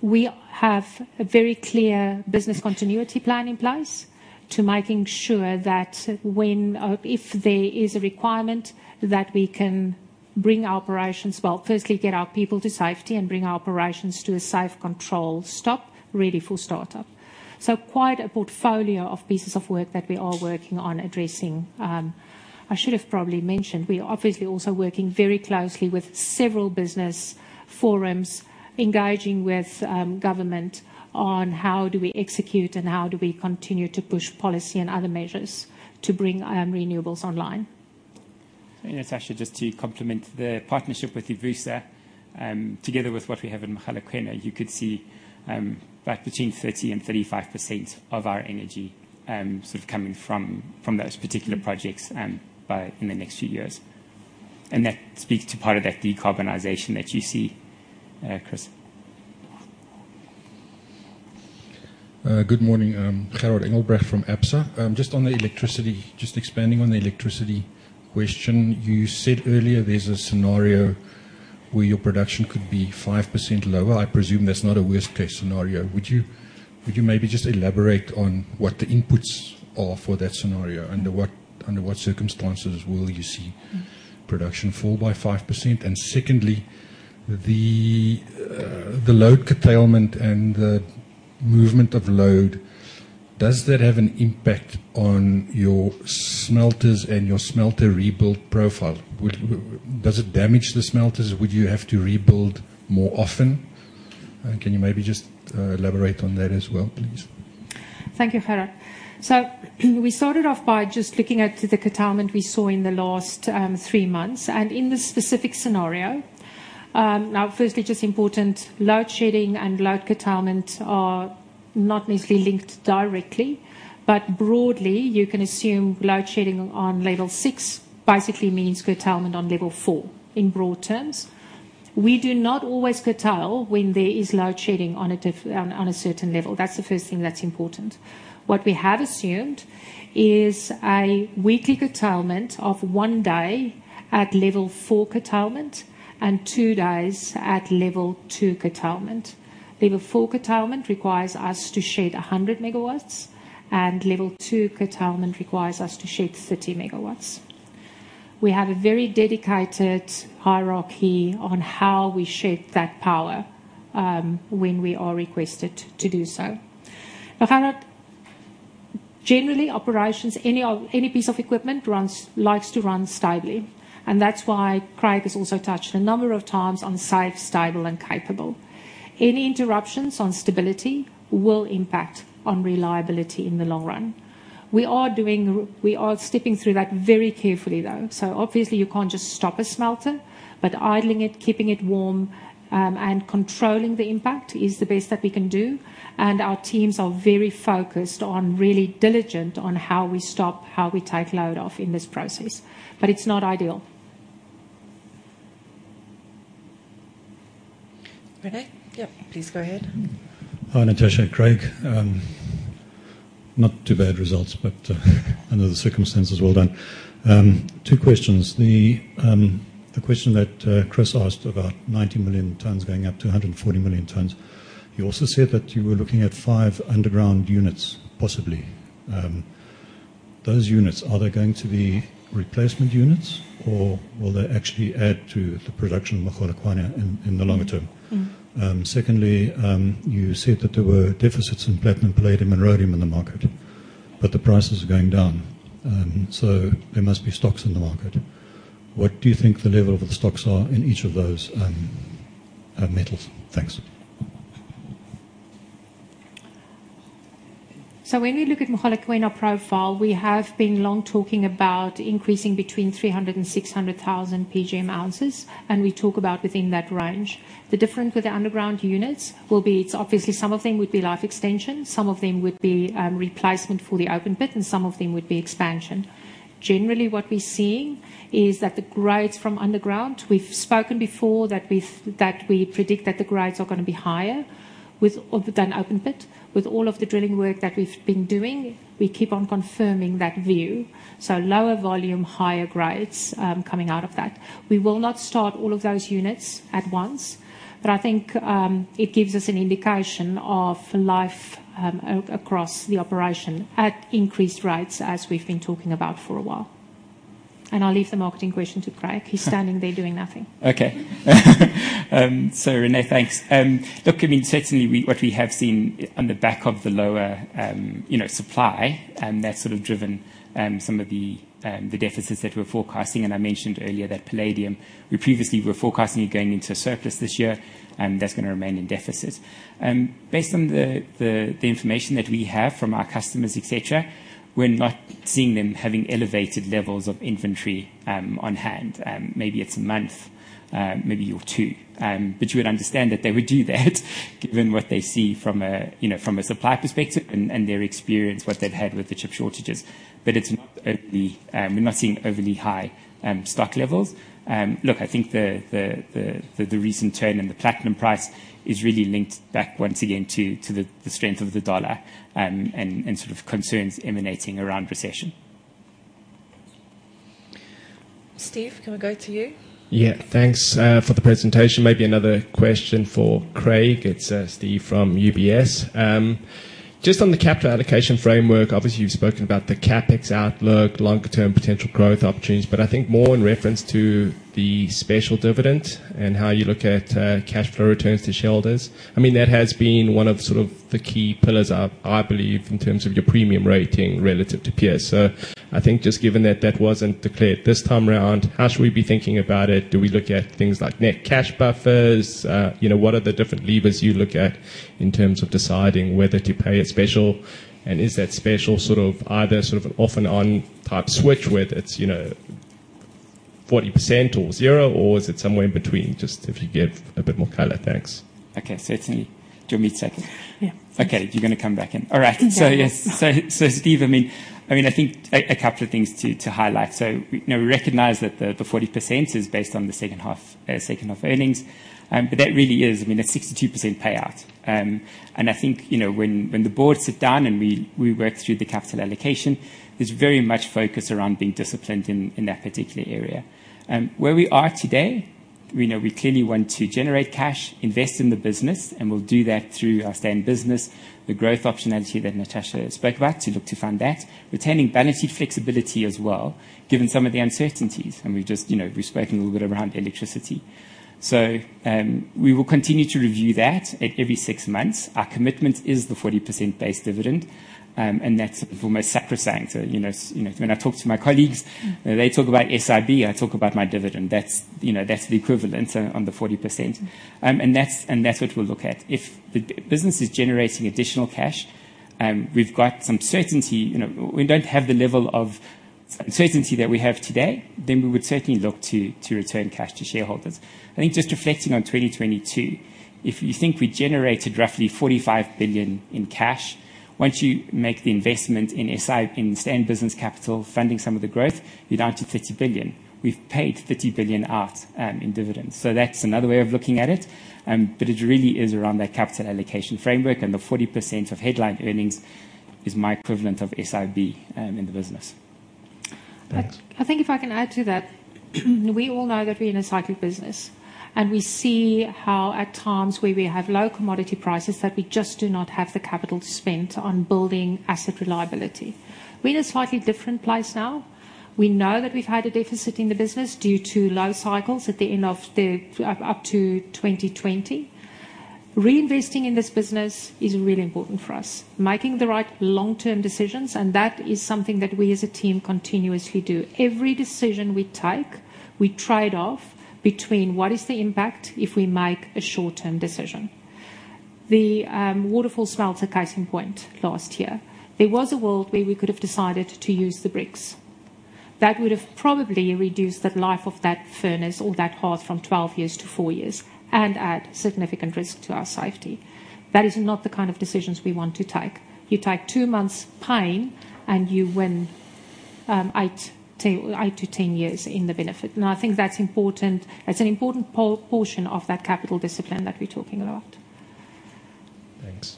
We have a very clear business continuity plan in place to making sure that when or if there is a requirement that we can bring our operations, well, firstly, get our people to safety and bring our operations to a safe control stop ready for startup. Quite a portfolio of pieces of work that we are working on addressing. I should have probably mentioned, we are obviously also working very closely with several business forums, engaging with government on how do we execute and how do we continue to push policy and other measures to bring renewables online. It's actually just to complement the partnership with Envusa, together with what we have in Mogalakwena, you could see, that between 30% and 35% of our energy, sort of coming from those particular projects, by in the next few years. That speaks to part of that decarbonization that you see, Chris. Good morning. I'm Gerhard Engelbrecht from Absa. Just on the electricity, expanding on the electricity question. You said earlier there's a scenario where your production could be 5% lower. I presume that's not a worst case scenario. Would you maybe just elaborate on what the inputs are for that scenario? Under what circumstances will you see production fall by 5%? Secondly, the load curtailment and the movement of load, does that have an impact on your smelters and your smelter rebuild profile? Does it damage the smelters? Would you have to rebuild more often? Can you maybe just elaborate on that as well, please? Thank you, Gerhard. We started off by just looking at the curtailment we saw in the last three months and in this specific scenario. Now firstly, just important, load shedding and load curtailment are not necessarily linked directly, but broadly, you can assume load shedding on level six basically means curtailment on level four in broad terms. We do not always curtail when there is load shedding on a certain level. That's the first thing that's important. What we have assumed is a weekly curtailment of one day at level four curtailment and two days at level two curtailment. Level four curtailment requires us to shed 100 MW, and level two curtailment requires us to shed 30 MW. We have a very dedicated hierarchy on how we shed that power when we are requested to do so. Gerald, generally operations, any piece of equipment likes to run stably, and that's why Craig has also touched a number of times on safe, stable and capable. Any interruptions on stability will impact on reliability in the long run. We are stepping through that very carefully, though. Obviously you can't just stop a smelter, but idling it, keeping it warm, and controlling the impact is the best that we can do. Our teams are very focused on, really diligent on how we stop, how we take load off in this process. It's not ideal. Rene? Yep, please go ahead. Hi, Natascha, Craig. Not too bad results, but under the circumstances, well done. Two questions. The, the question that Chris asked about 90 million tons going up to 140 million tons. You also said that you were looking at five underground units, possibly. Those units, are they going to be replacement units, or will they actually add to the production of Mogalakwena in the longer term? Mm. Secondly, you said that there were deficits in platinum, palladium, and rhodium in the market, but the price is going down. There must be stocks in the market. What do you think the level of the stocks are in each of those metals? Thanks. When we look at Mogalakwena profile, we have been long talking about increasing between 300,000 and 600,000 PGM ounces, and we talk about within that range. The difference with the underground units will be it's obviously some of them would be life extension, some of them would be replacement for the open pit, and some of them would be expansion. Generally, what we're seeing is that the grades from underground, we've spoken before, that we predict that the grades are going to be higher with all the done open pit. With all of the drilling work that we've been doing, we keep on confirming that view. Lower volume, higher grades, coming out of that. We will not start all of those units at once, but I think, it gives us an indication of life, across the operation at increased rates as we've been talking about for a while. I'll leave the marketing question to Craig. He's standing there doing nothing. Okay. Rene, thanks. Look, I mean, certainly, what we have seen on the back of the lower, you know, supply, that's sort of driven some of the deficits that we're forecasting. I mentioned earlier that palladium, we previously were forecasting it going into surplus this year, and that's gonna remain in deficit. Based on the information that we have from our customers, et cetera, we're not seeing them having elevated levels of inventory on hand. Maybe it's a month, maybe or two. You would understand that they would do that given what they see from a, you know, from a supply perspective and their experience, what they've had with the chip shortages. It's not overly, we're not seeing overly high stock levels. Look, I think the recent turn in the platinum price is really linked back once again to the strength of the dollar, and sort of concerns emanating around recession. Steve, can we go to you? Yeah. Thanks for the presentation. Maybe another question for Craig. It's Steve from UBS. Just on the capital allocation framework, obviously you've spoken about the CapEx outlook, longer term potential growth opportunities, I think more in reference to the special dividend and how you look at cash flow returns to shareholders. I mean, that has been one of sort of the key pillars, I believe, in terms of your premium rating relative to peers. I think just given that that wasn't declared this time around, how should we be thinking about it? Do we look at things like net cash buffers? You know, what are the different levers you look at in terms of deciding whether to pay a special? Is that special sort of either an off and on type switch, whether it's, you know, 40% or 0%, or is it somewhere in between? Just if you give a bit more color. Thanks. Okay. Certainly. Do you want me to take it? Yeah. Okay. You're gonna come back in. All right. Exactly. Steve, I think a couple of things to highlight. you know, we recognize that the 40% is based on the second half, second half earnings. that really is a 62% payout. I think, you know, when the board sit down and we work through the capital allocation, there's very much focus around being disciplined in that particular area. where we are today, we know we clearly want to generate cash, invest in the business, and we'll do that through our stand business, the growth optionality that Natascha spoke about to look to fund that. Retaining balance sheet flexibility as well, given some of the uncertainties, and we've just, you know, we've spoken a little bit around electricity. We will continue to review that at every six months. Our commitment is the 40% base dividend, and that's almost sacrosanct. You know, when I talk to my colleagues, they talk about SIB, I talk about my dividend. That's, you know, that's the equivalent on the 40%. That's what we'll look at. If the business is generating additional cash, we've got some certainty. You know, we don't have the level of certainty that we have today, then we would certainly look to return cash to shareholders. I think just reflecting on 2022, if you think we generated roughly 45 billion in cash, once you make the investment in stand business capital, funding some of the growth, you're down to 30 billion. We've paid 30 billion out in dividends. That's another way of looking at it. It really is around that capital allocation framework and the 40% of headline earnings is my equivalent of SIB in the business. Thanks. I think if I can add to that, we all know that we're in a cyclic business, and we see how at times where we have low commodity prices, that we just do not have the capital to spend on building asset reliability. We're in a slightly different place now. We know that we've had a deficit in the business due to low cycles at the end of the up to 2020. Reinvesting in this business is really important for us. Making the right long-term decisions, and that is something that we as a team continuously do. Every decision we take, we trade off between what is the impact if we make a short-term decision. The Waterval smelter case in point last year. There was a world where we could have decided to use the bricks. That would have probably reduced the life of that furnace or that hearth from 12 years to four years and add significant risk to our safety. That is not the kind of decisions we want to take. You take two months pain and you win eight-10 years in the benefit. I think that's important. That's an important portion of that capital discipline that we're talking about. Thanks.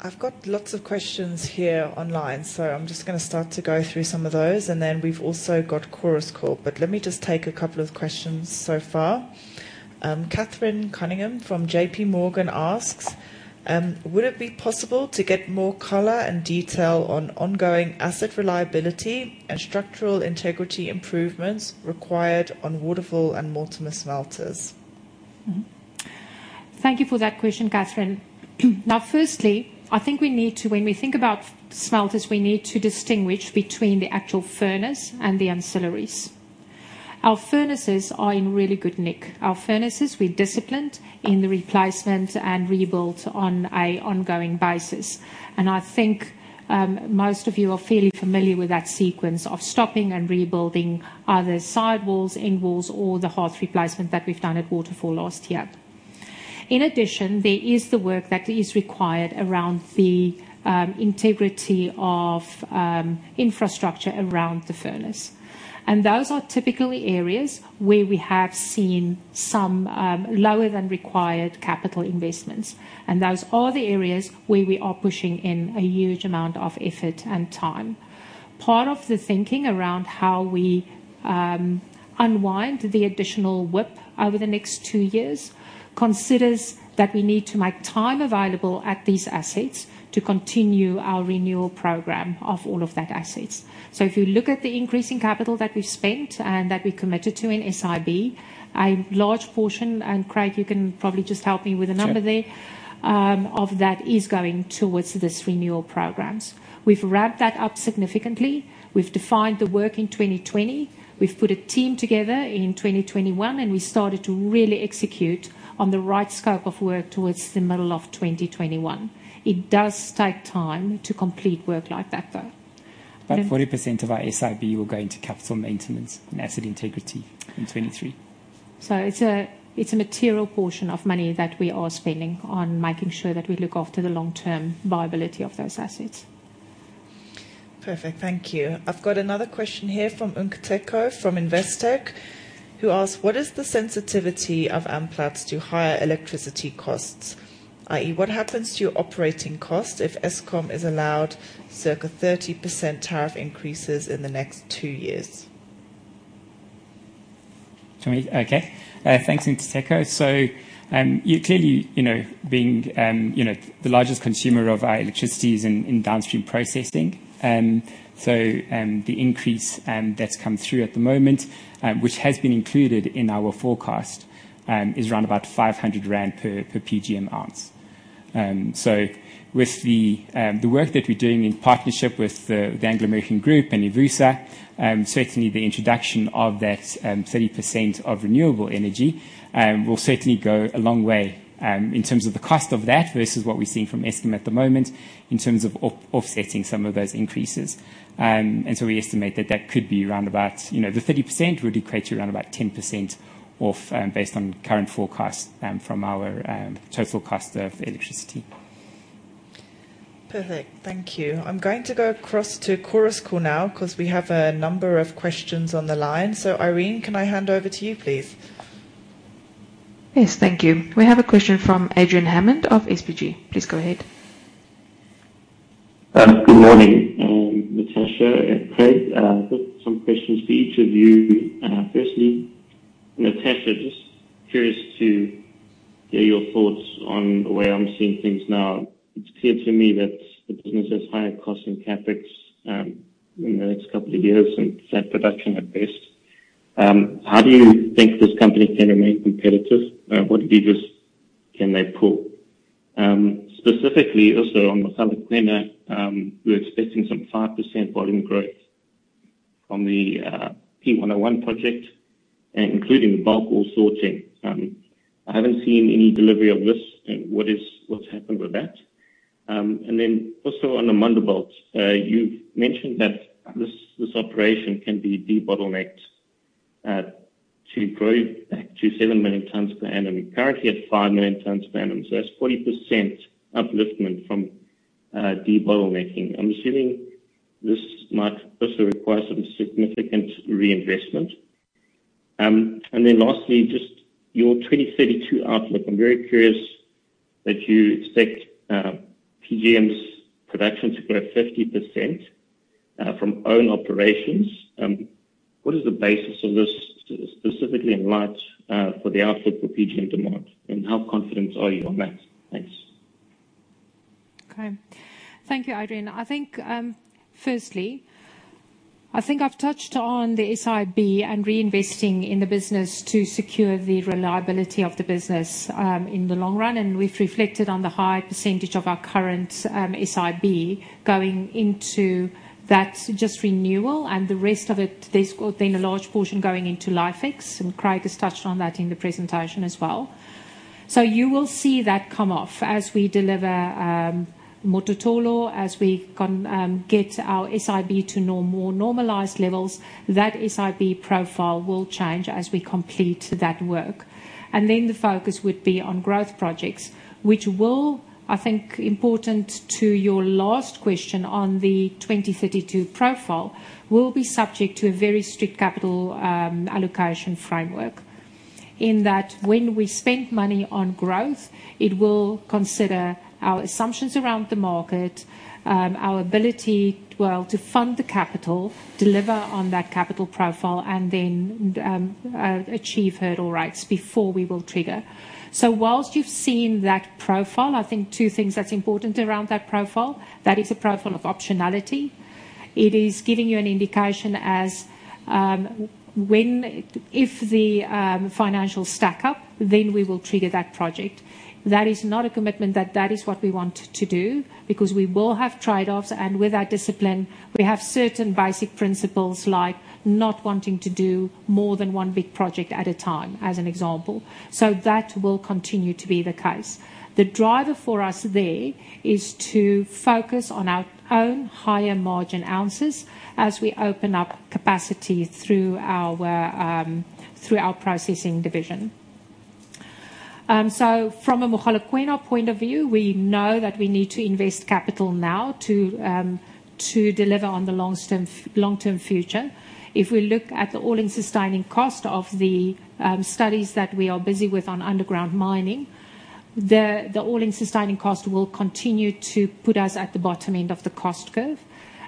I've got lots of questions here online, so I'm just gonna start to go through some of those, and then we've also got Chorus Call. Let me just take a couple of questions so far. Catherine Cunningham from JPMorgan asks: Would it be possible to get more color and detail on ongoing asset reliability and structural integrity improvements required on Waterval and Mortimer smelters? Thank you for that question, Catherine. firstly, I think we need to When we think about smelters, we need to distinguish between the actual furnace and the ancillaries. Our furnaces are in really good nick. Our furnaces, we disciplined in the replacement and rebuilt on a ongoing basis. I think most of you are fairly familiar with that sequence of stopping and rebuilding other side walls, end walls, or the hearth replacement that we've done at Waterval last year. In addition, there is the work that is required around the integrity of infrastructure around the furnace. those are typically areas where we have seen some lower than required capital investments, and those are the areas where we are pushing in a huge amount of effort and time. Part of the thinking around how we unwind the additional WIP over the next two years considers that we need to make time available at these assets to continue our renewal program of all of that assets. If you look at the increasing capital that we've spent and that we committed to in SIB, a large portion, and Craig, you can probably just help me with a number there. Sure. Of that is going towards these renewal programs. We've ramped that up significantly. We've defined the work in 2020. We've put a team together in 2021, and we started to really execute on the right scope of work towards the middle of 2021. It does take time to complete work like that, though. About 40% of our SIB will go into capital maintenance and asset integrity in 2023. It's a material portion of money that we are spending on making sure that we look after the long-term viability of those assets. Perfect. Thank you. I've got another question here from Nkateko from Investec, who asks: What is the sensitivity of Amplats to higher electricity costs? I.e., what happens to your operating cost if Eskom is allowed circa 30% tariff increases in the next two years? Do you want me? Okay. Thanks, Nkateko. You clearly, you know, being, you know, the largest consumer of our electricity is in downstream processing. The increase that's come through at the moment, which has been included in our forecast, is around about 500 rand per PGM ounce. With the work that we're doing in partnership with the Anglo American group and Envusa, certainly the introduction of that 30% of renewable energy will certainly go a long way in terms of the cost of that versus what we're seeing from Eskom at the moment in terms of offsetting some of those increases. We estimate that that could be around about, you know, the 30% would equate to around about 10% off, based on current forecasts, from our total cost of electricity. Perfect. Thank you. I'm going to go across to Chorus Call now because we have a number of questions on the line. Irene, can I hand over to you, please? Yes. Thank you. We have a question from Adrian Hammond of SBG. Please go ahead. Good morning, Natascha and Craig. I've got some questions for each of you. Firstly, Natascha, just curious to hear your thoughts on the way I'm seeing things now. It's clear to me that the business has higher costs in CapEx in the next couple of years and flat production at best. How do you think this company can remain competitive? What levers can they pull? Specifically also on South Okura, we're expecting some 5% volume growth from the P101 project, including the bulk ore sorting. I haven't seen any delivery of this. What's happened with that? Also on the Amandelbult, you've mentioned that this operation can be debottlenecked to grow back to seven million tons per annum. We're currently at five million tons per annum, that's 40% upliftment from debottlenecking. I'm assuming this might also require some significant reinvestment. Lastly, just your 2032 outlook. I'm very curious that you expect PGMs production to grow 50% from own operations. What is the basis of this, specifically in light for the outlook for PGM demand, how confident are you on that? Thanks. Okay. Thank you, Adrian. I think, firstly, I think I've touched on the SIB and reinvesting in the business to secure the reliability of the business, in the long run. We've reflected on the high percentage of our current SIB going into that just renewal and the rest of it, there's been a large portion going into life ex, and Craig has touched on that in the presentation as well. You will see that come off as we deliver, Mototolo, as we can get our SIB to more normalized levels. That SIB profile will change as we complete that work. Then the focus would be on growth projects, which will, I think, important to your last question on the 2032 profile, will be subject to a very strict capital allocation framework. In that when we spend money on growth, it will consider our assumptions around the market, our ability, well, to fund the capital, deliver on that capital profile, and then achieve hurdle rights before we will trigger. Whilst you've seen that profile, I think two things that's important around that profile, that is a profile of optionality. It is giving you an indication as if the financials stack up, then we will trigger that project. That is not a commitment that that is what we want to do because we will have trade-offs, and with our discipline, we have certain basic principles like not wanting to do more than one big project at a time, as an example. That will continue to be the case. The driver for us there is to focus on our own higher margin ounces as we open up capacity through our processing division. From a Mogalakwena point of view, we know that we need to invest capital now to deliver on the long-term future. If we look at the all-in sustaining cost of the studies that we are busy with on underground mining, the all-in sustaining cost will continue to put us at the bottom end of the cost curve,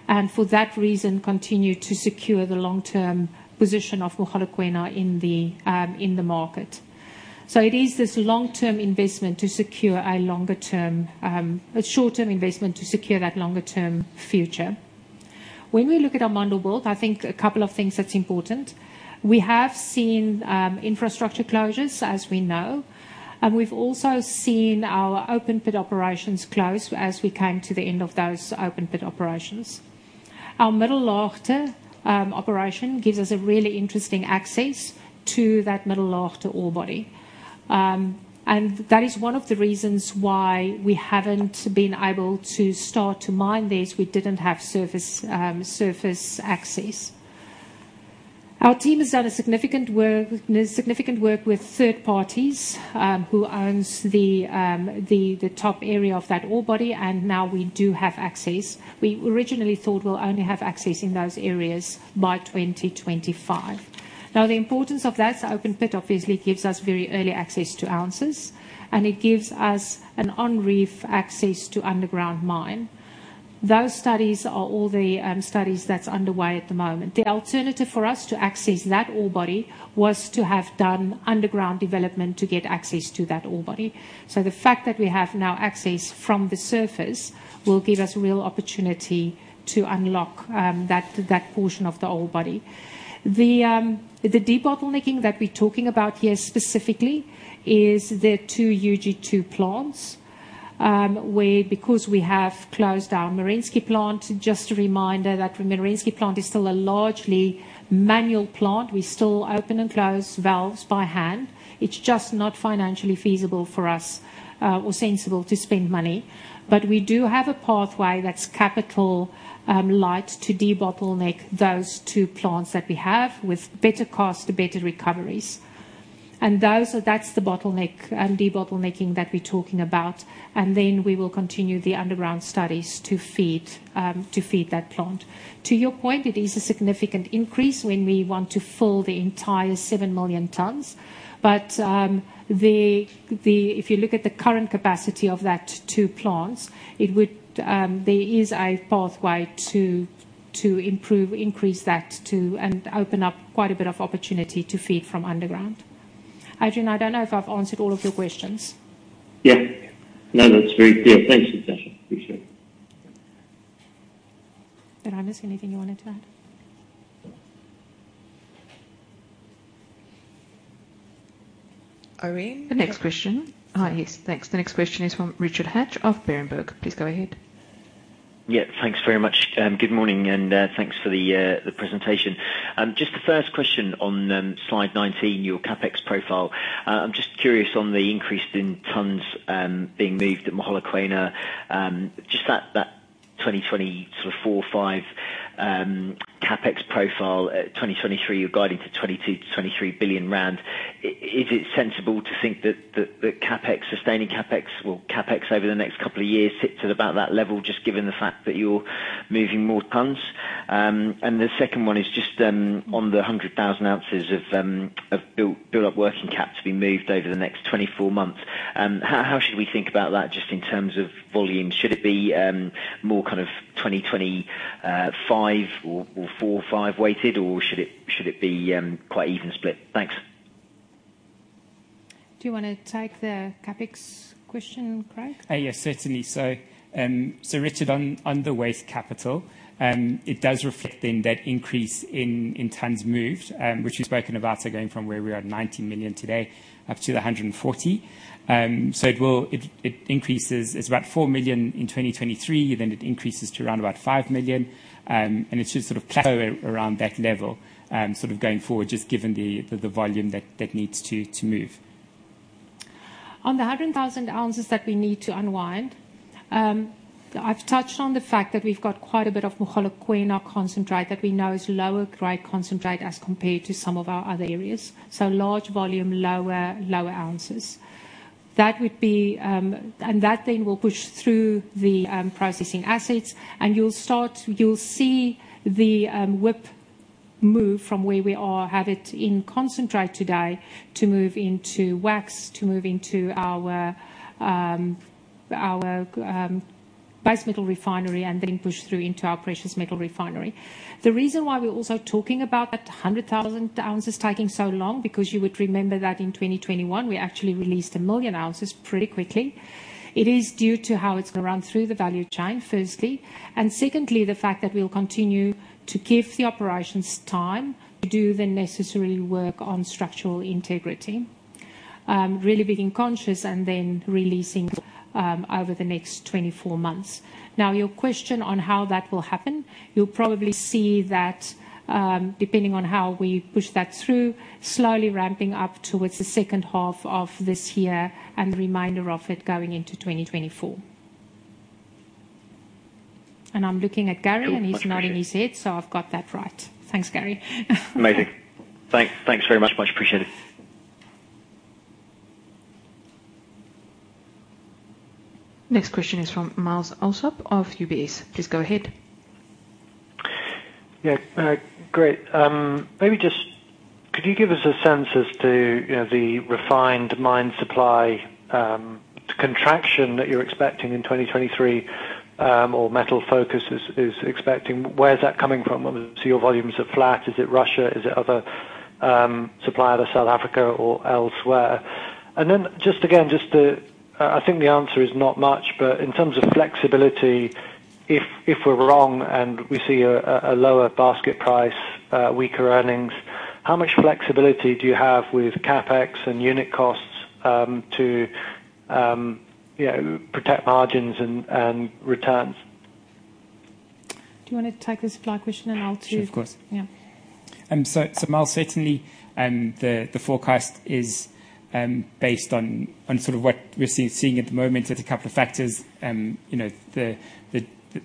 and for that reason, continue to secure the long-term position of Mogalakwena in the market. It is this long-term investment to secure a longer term, a short-term investment to secure that longer-term future. When we look at Amandelbult, I think a couple of things that's important. We have seen infrastructure closures, as we know, and we've also seen our open pit operations close as we came to the end of those open pit operations. Our Middellaagte operation gives us a really interesting access to that Middellaagte ore body. That is one of the reasons why we haven't been able to start to mine this. We didn't have surface access. Our team has done significant work with third parties who owns the top area of that ore body, and now we do have access. We originally thought we'll only have access in those areas by 2025. Now, the importance of that open pit obviously gives us very early access to ounces, and it gives us an on-reef access to underground mine. Those studies are all the studies that's underway at the moment. The alternative for us to access that ore body was to have done underground development to get access to that ore body. The fact that we have now access from the surface will give us real opportunity to unlock that portion of the ore body. The debottlenecking that we're talking about here specifically is the two UG2 plants, where because we have closed our Merensky plant, just a reminder that Merensky plant is still a largely manual plant. We still open and close valves by hand. It's just not financially feasible for us or sensible to spend money. We do have a pathway that's capital light to debottleneck those two plants that we have with better cost, better recoveries. That's the bottleneck debottlenecking that we're talking about. We will continue the underground studies to feed that plant. To your point, it is a significant increase when we want to fill the entire seven million tons. If you look at the current capacity of that two plants, it would, there is a pathway to improve, increase that to, and open up quite a bit of opportunity to feed from underground. Adrian, I don't know if I've answered all of your questions. Yeah. No, that's very clear. Thanks, Natascha. Appreciate it. Did I miss anything you wanted to add? Irene? The next question. Yes. Thanks. The next question is from Richard Hatch of Berenberg. Please go ahead. Yeah. Thanks very much. Good morning, thanks for the presentation. Just the first question on slide 19, your CapEx profile. I'm just curious on the increase in tons being moved at Mogalakwena, just that 2024 or 2025 CapEx profile. 2023, you're guiding to 22 billion-23 billion rand. Is it sensible to think that the CapEx, sustaining CapEx, well, CapEx over the next couple of years sits at about that level just given the fact that you're moving more tons? The second one is just on the 100,000 ounces of built-up working cap to be moved over the next 24 months. How should we think about that just in terms of volume? Should it be, more kind of 2025 or four or five weighted, or should it be, quite even split? Thanks. Do you wanna take the CapEx question, Craig? Yes, certainly so. Richard, on the waste capital, it does reflect then that increase in tons moved, which we've spoken about, going from where we are at 90 million today up to 140. It increases. It's about four million in 2023, then it increases to around about five million. It should sort of plateau around that level going forward, just given the volume that needs to move. On the 100,000 ounces that we need to unwind, I've touched on the fact that we've got quite a bit of Mogalakwena concentrate that we know is lower grade concentrate as compared to some of our other areas. Large volume, lower ounces. That would be, that then will push through the processing assets, and you'll see the WIP move from where we are, have it in concentrate today to move into WACS, to move into our base metal refinery and then push through into our precious metal refinery. The reason why we're also talking about that 100,000 ounces taking so long, you would remember that in 2021, we actually released one million ounces pretty quickly. It is due to how it's gonna run through the value chain, firstly, and secondly, the fact that we'll continue to give the operations time to do the necessary work on structural integrity. really being conscious and then releasing over the next 24 months. Now, your question on how that will happen, you'll probably see that, depending on how we push that through, slowly ramping up towards the second half of this year and the remainder of it going into 2024. I'm looking at Gary, and he's nodding his head, so I've got that right. Thanks, Gary. Amazing. Thanks very much. Much appreciated. Next question is from Myles Allsop of UBS. Please go ahead. Yeah. Great. Maybe just could you give us a sense as to, you know, the refined mine supply contraction that you're expecting in 2023, or Metals Focus is expecting? Where is that coming from? Obviously, your volumes are flat. Is it Russia? Is it other supplier to South Africa or elsewhere? Just again, I think the answer is not much, but in terms of flexibility, if we're wrong and we see a lower basket price, weaker earnings, how much flexibility do you have with CapEx and unit costs to, you know, protect margins and returns? Do you wanna take the supply question? Sure. Of course. Yeah. Myles, certainly, the forecast is based on sort of what we're seeing at the moment. There's a couple of factors. You know, the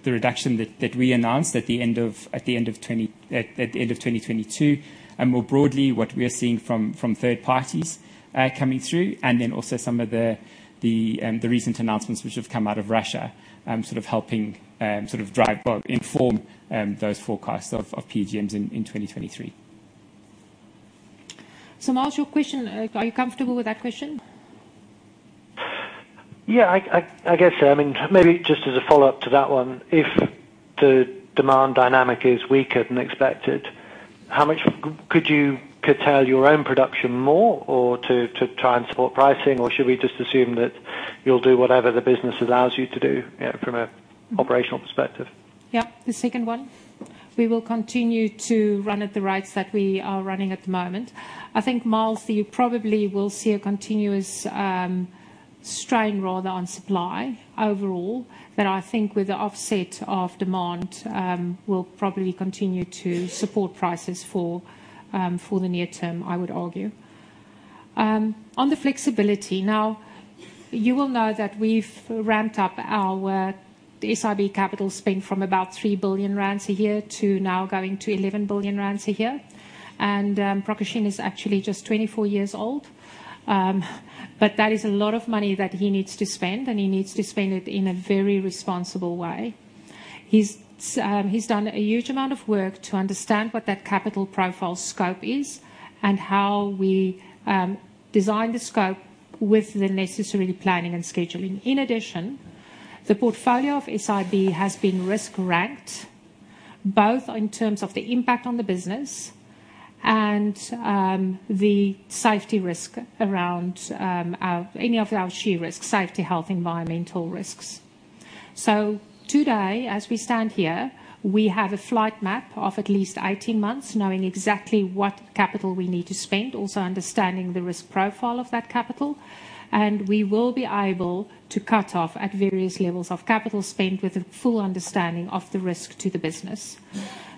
reduction that we announced at the end of 2022, and more broadly, what we are seeing from third parties, coming through, and then also some of the recent announcements which have come out of Russia, sort of helping, sort of drive or inform, those forecasts of PGMs in 2023. Myles, your question, are you comfortable with that question? Yeah. I guess so. I mean, maybe just as a follow-up to that one, if the demand dynamic is weaker than expected, how much could you curtail your own production more or to try and support pricing, or should we just assume that you'll do whatever the business allows you to do, you know, from a operational perspective? Yeah. The second one, we will continue to run at the rates that we are running at the moment. I think, Myles, you probably will see a continuous strain rather on supply overall, that I think with the offset of demand will probably continue to support prices for the near term, I would argue. On the flexibility, now, you will know that we've ramped up our, the SIB capital spend from about 3 billion rand a year to now going to 11 billion rand a year. Prakashim is actually just 24 years old. But that is a lot of money that he needs to spend, and he needs to spend it in a very responsible way. He's done a huge amount of work to understand what that capital profile scope is and how we design the scope with the necessary planning and scheduling. In addition, the portfolio of SIB has been risk ranked, both in terms of the impact on the business and the safety risk around any of our SHE risks, safety, health, environmental risks. Today, as we stand here, we have a flight map of at least 18 months, knowing exactly what capital we need to spend, also understanding the risk profile of that capital, and we will be able to cut off at various levels of capital spend with a full understanding of the risk to the business.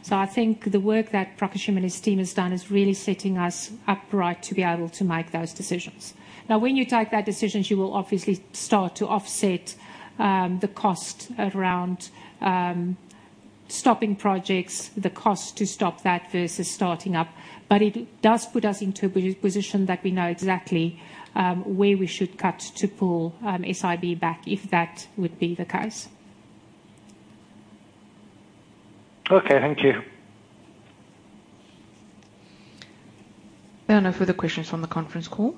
I think the work that Prakashim and his team has done is really setting us up right to be able to make those decisions. When you take that decisions, you will obviously start to offset the cost around stopping projects, the cost to stop that versus starting up. It does put us into a position that we know exactly, where we should cut to pull SIB back if that would be the case. Okay. Thank you. There are no further questions from the conference call.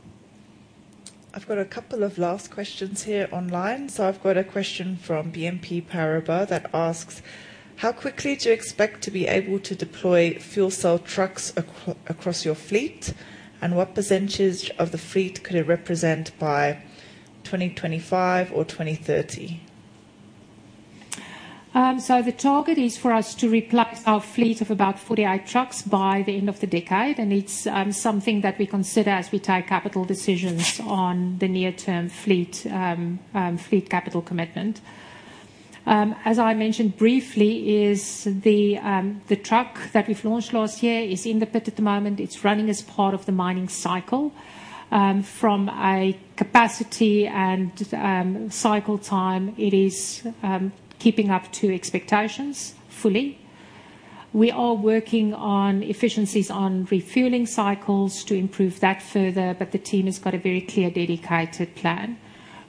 I've got a couple of last questions here online. I've got a question from BNP Paribas that asks: how quickly do you expect to be able to deploy fuel cell trucks across your fleet, and what percentage of the fleet could it represent by 2025 or 2030? The target is for us to replace our fleet of about 48 trucks by the end of the decade, and it's something that we consider as we take capital decisions on the near-term fleet capital commitment. As I mentioned briefly, is the truck that we've launched last year is in the pit at the moment. It's running as part of the mining cycle. From a capacity and cycle time, it is keeping up to expectations fully. We are working on efficiencies on refueling cycles to improve that further, but the team has got a very clear, dedicated plan.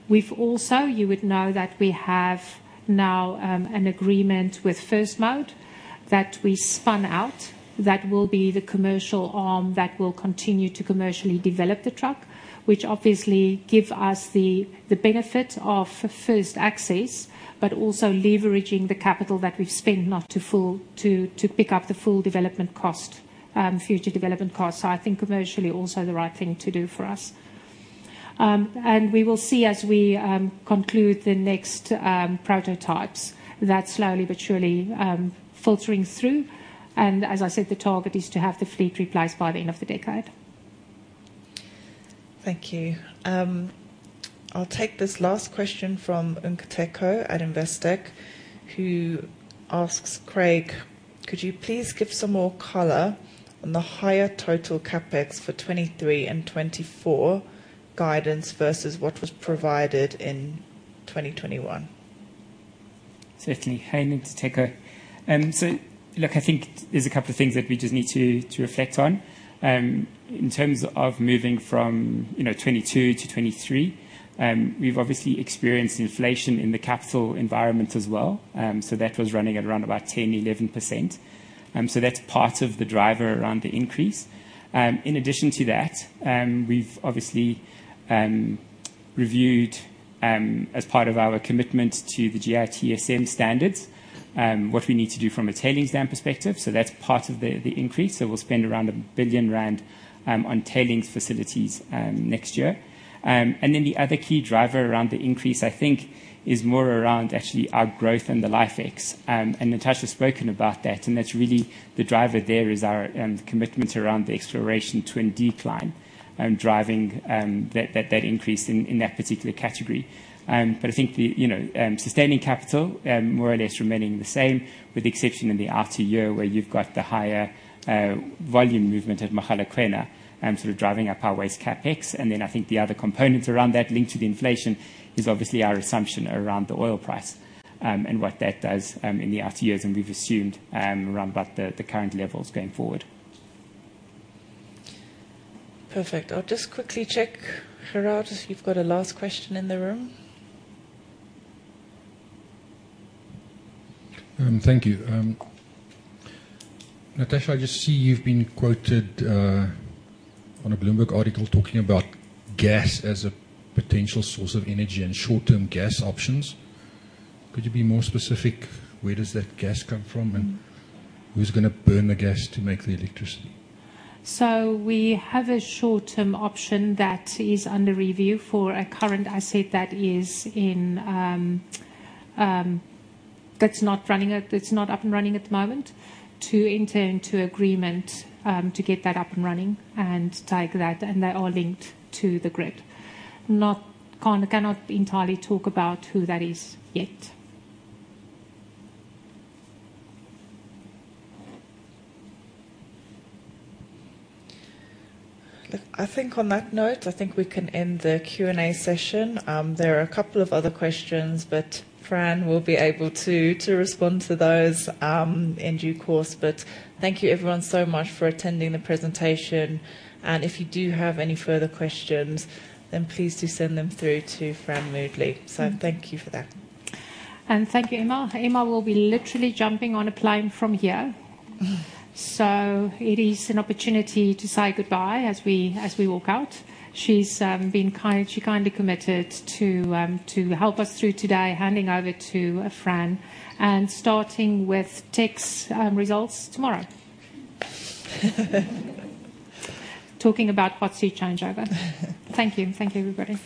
We've also, you would know that we have now an agreement with First Mode that we spun out. That will be the commercial arm that will continue to commercially develop the truck, which obviously give us the benefit of first access, but also leveraging the capital that we've spent not to pick up the full development cost, future development costs. I think commercially also the right thing to do for us. We will see as we conclude the next prototypes that's slowly but surely filtering through. As I said, the target is to have the fleet replaced by the end of the decade. Thank you. I'll take this last question from Nkateko at Investec, who asks, "Craig, could you please give some more color on the higher total CapEx for 2023 and 2024 guidance versus what was provided in 2021? Certainly. Hi, Nkateko. Look, I think there's a couple of things that we just need to reflect on. In terms of moving from, you know, 2022 to 2023, we've obviously experienced inflation in the capital environment as well. That was running at around about 10%-11%. That's part of the driver around the increase. In addition to that, we've obviously reviewed as part of our commitment to the GISTM standards, what we need to do from a tailings dam perspective, so that's part of the increase. We'll spend around 1 billion rand on tailings facilities next year. The other key driver around the increase, I think, is more around actually our growth in the LifeEx. Natascha has spoken about that, and that's really the driver there is our commitment around the exploration to in decline, driving that increase in that particular category. I think the, you know, sustaining capital more or less remaining the same, with the exception in the RT year where you've got the higher volume movement at Mogalakwena, sort of driving up our waste CapEx. I think the other components around that linked to the inflation is obviously our assumption around the oil price, and what that does in the RT years, and we've assumed around about the current levels going forward. Perfect. I'll just quickly check. Gerhard, if you've got a last question in the room. Thank you. Natascha, I just see you've been quoted on a Bloomberg article talking about gas as a potential source of energy and short-term gas options. Could you be more specific, where does that gas come from and who's gonna burn the gas to make the electricity? We have a short-term option that is under review for a current asset that is in that's not up and running at the moment, to enter into agreement to get that up and running and take that, and they are linked to the grid. cannot entirely talk about who that is yet. Look, I think on that note, I think we can end the Q&A session. There are a couple of other questions, but Fran will be able to respond to those in due course. Thank you everyone so much for attending the presentation. If you do have any further questions, then please do send them through to Fran Moodley. Thank you for that. Thank you, Emma. Emma will be literally jumping on a plane from here. It is an opportunity to say goodbye as we, as we walk out. She's been kind. She kindly committed to help us through today, handing over to Fran and starting with tech's results tomorrow. Talking about hot seat changeover. Thank you. Thank you, everybody.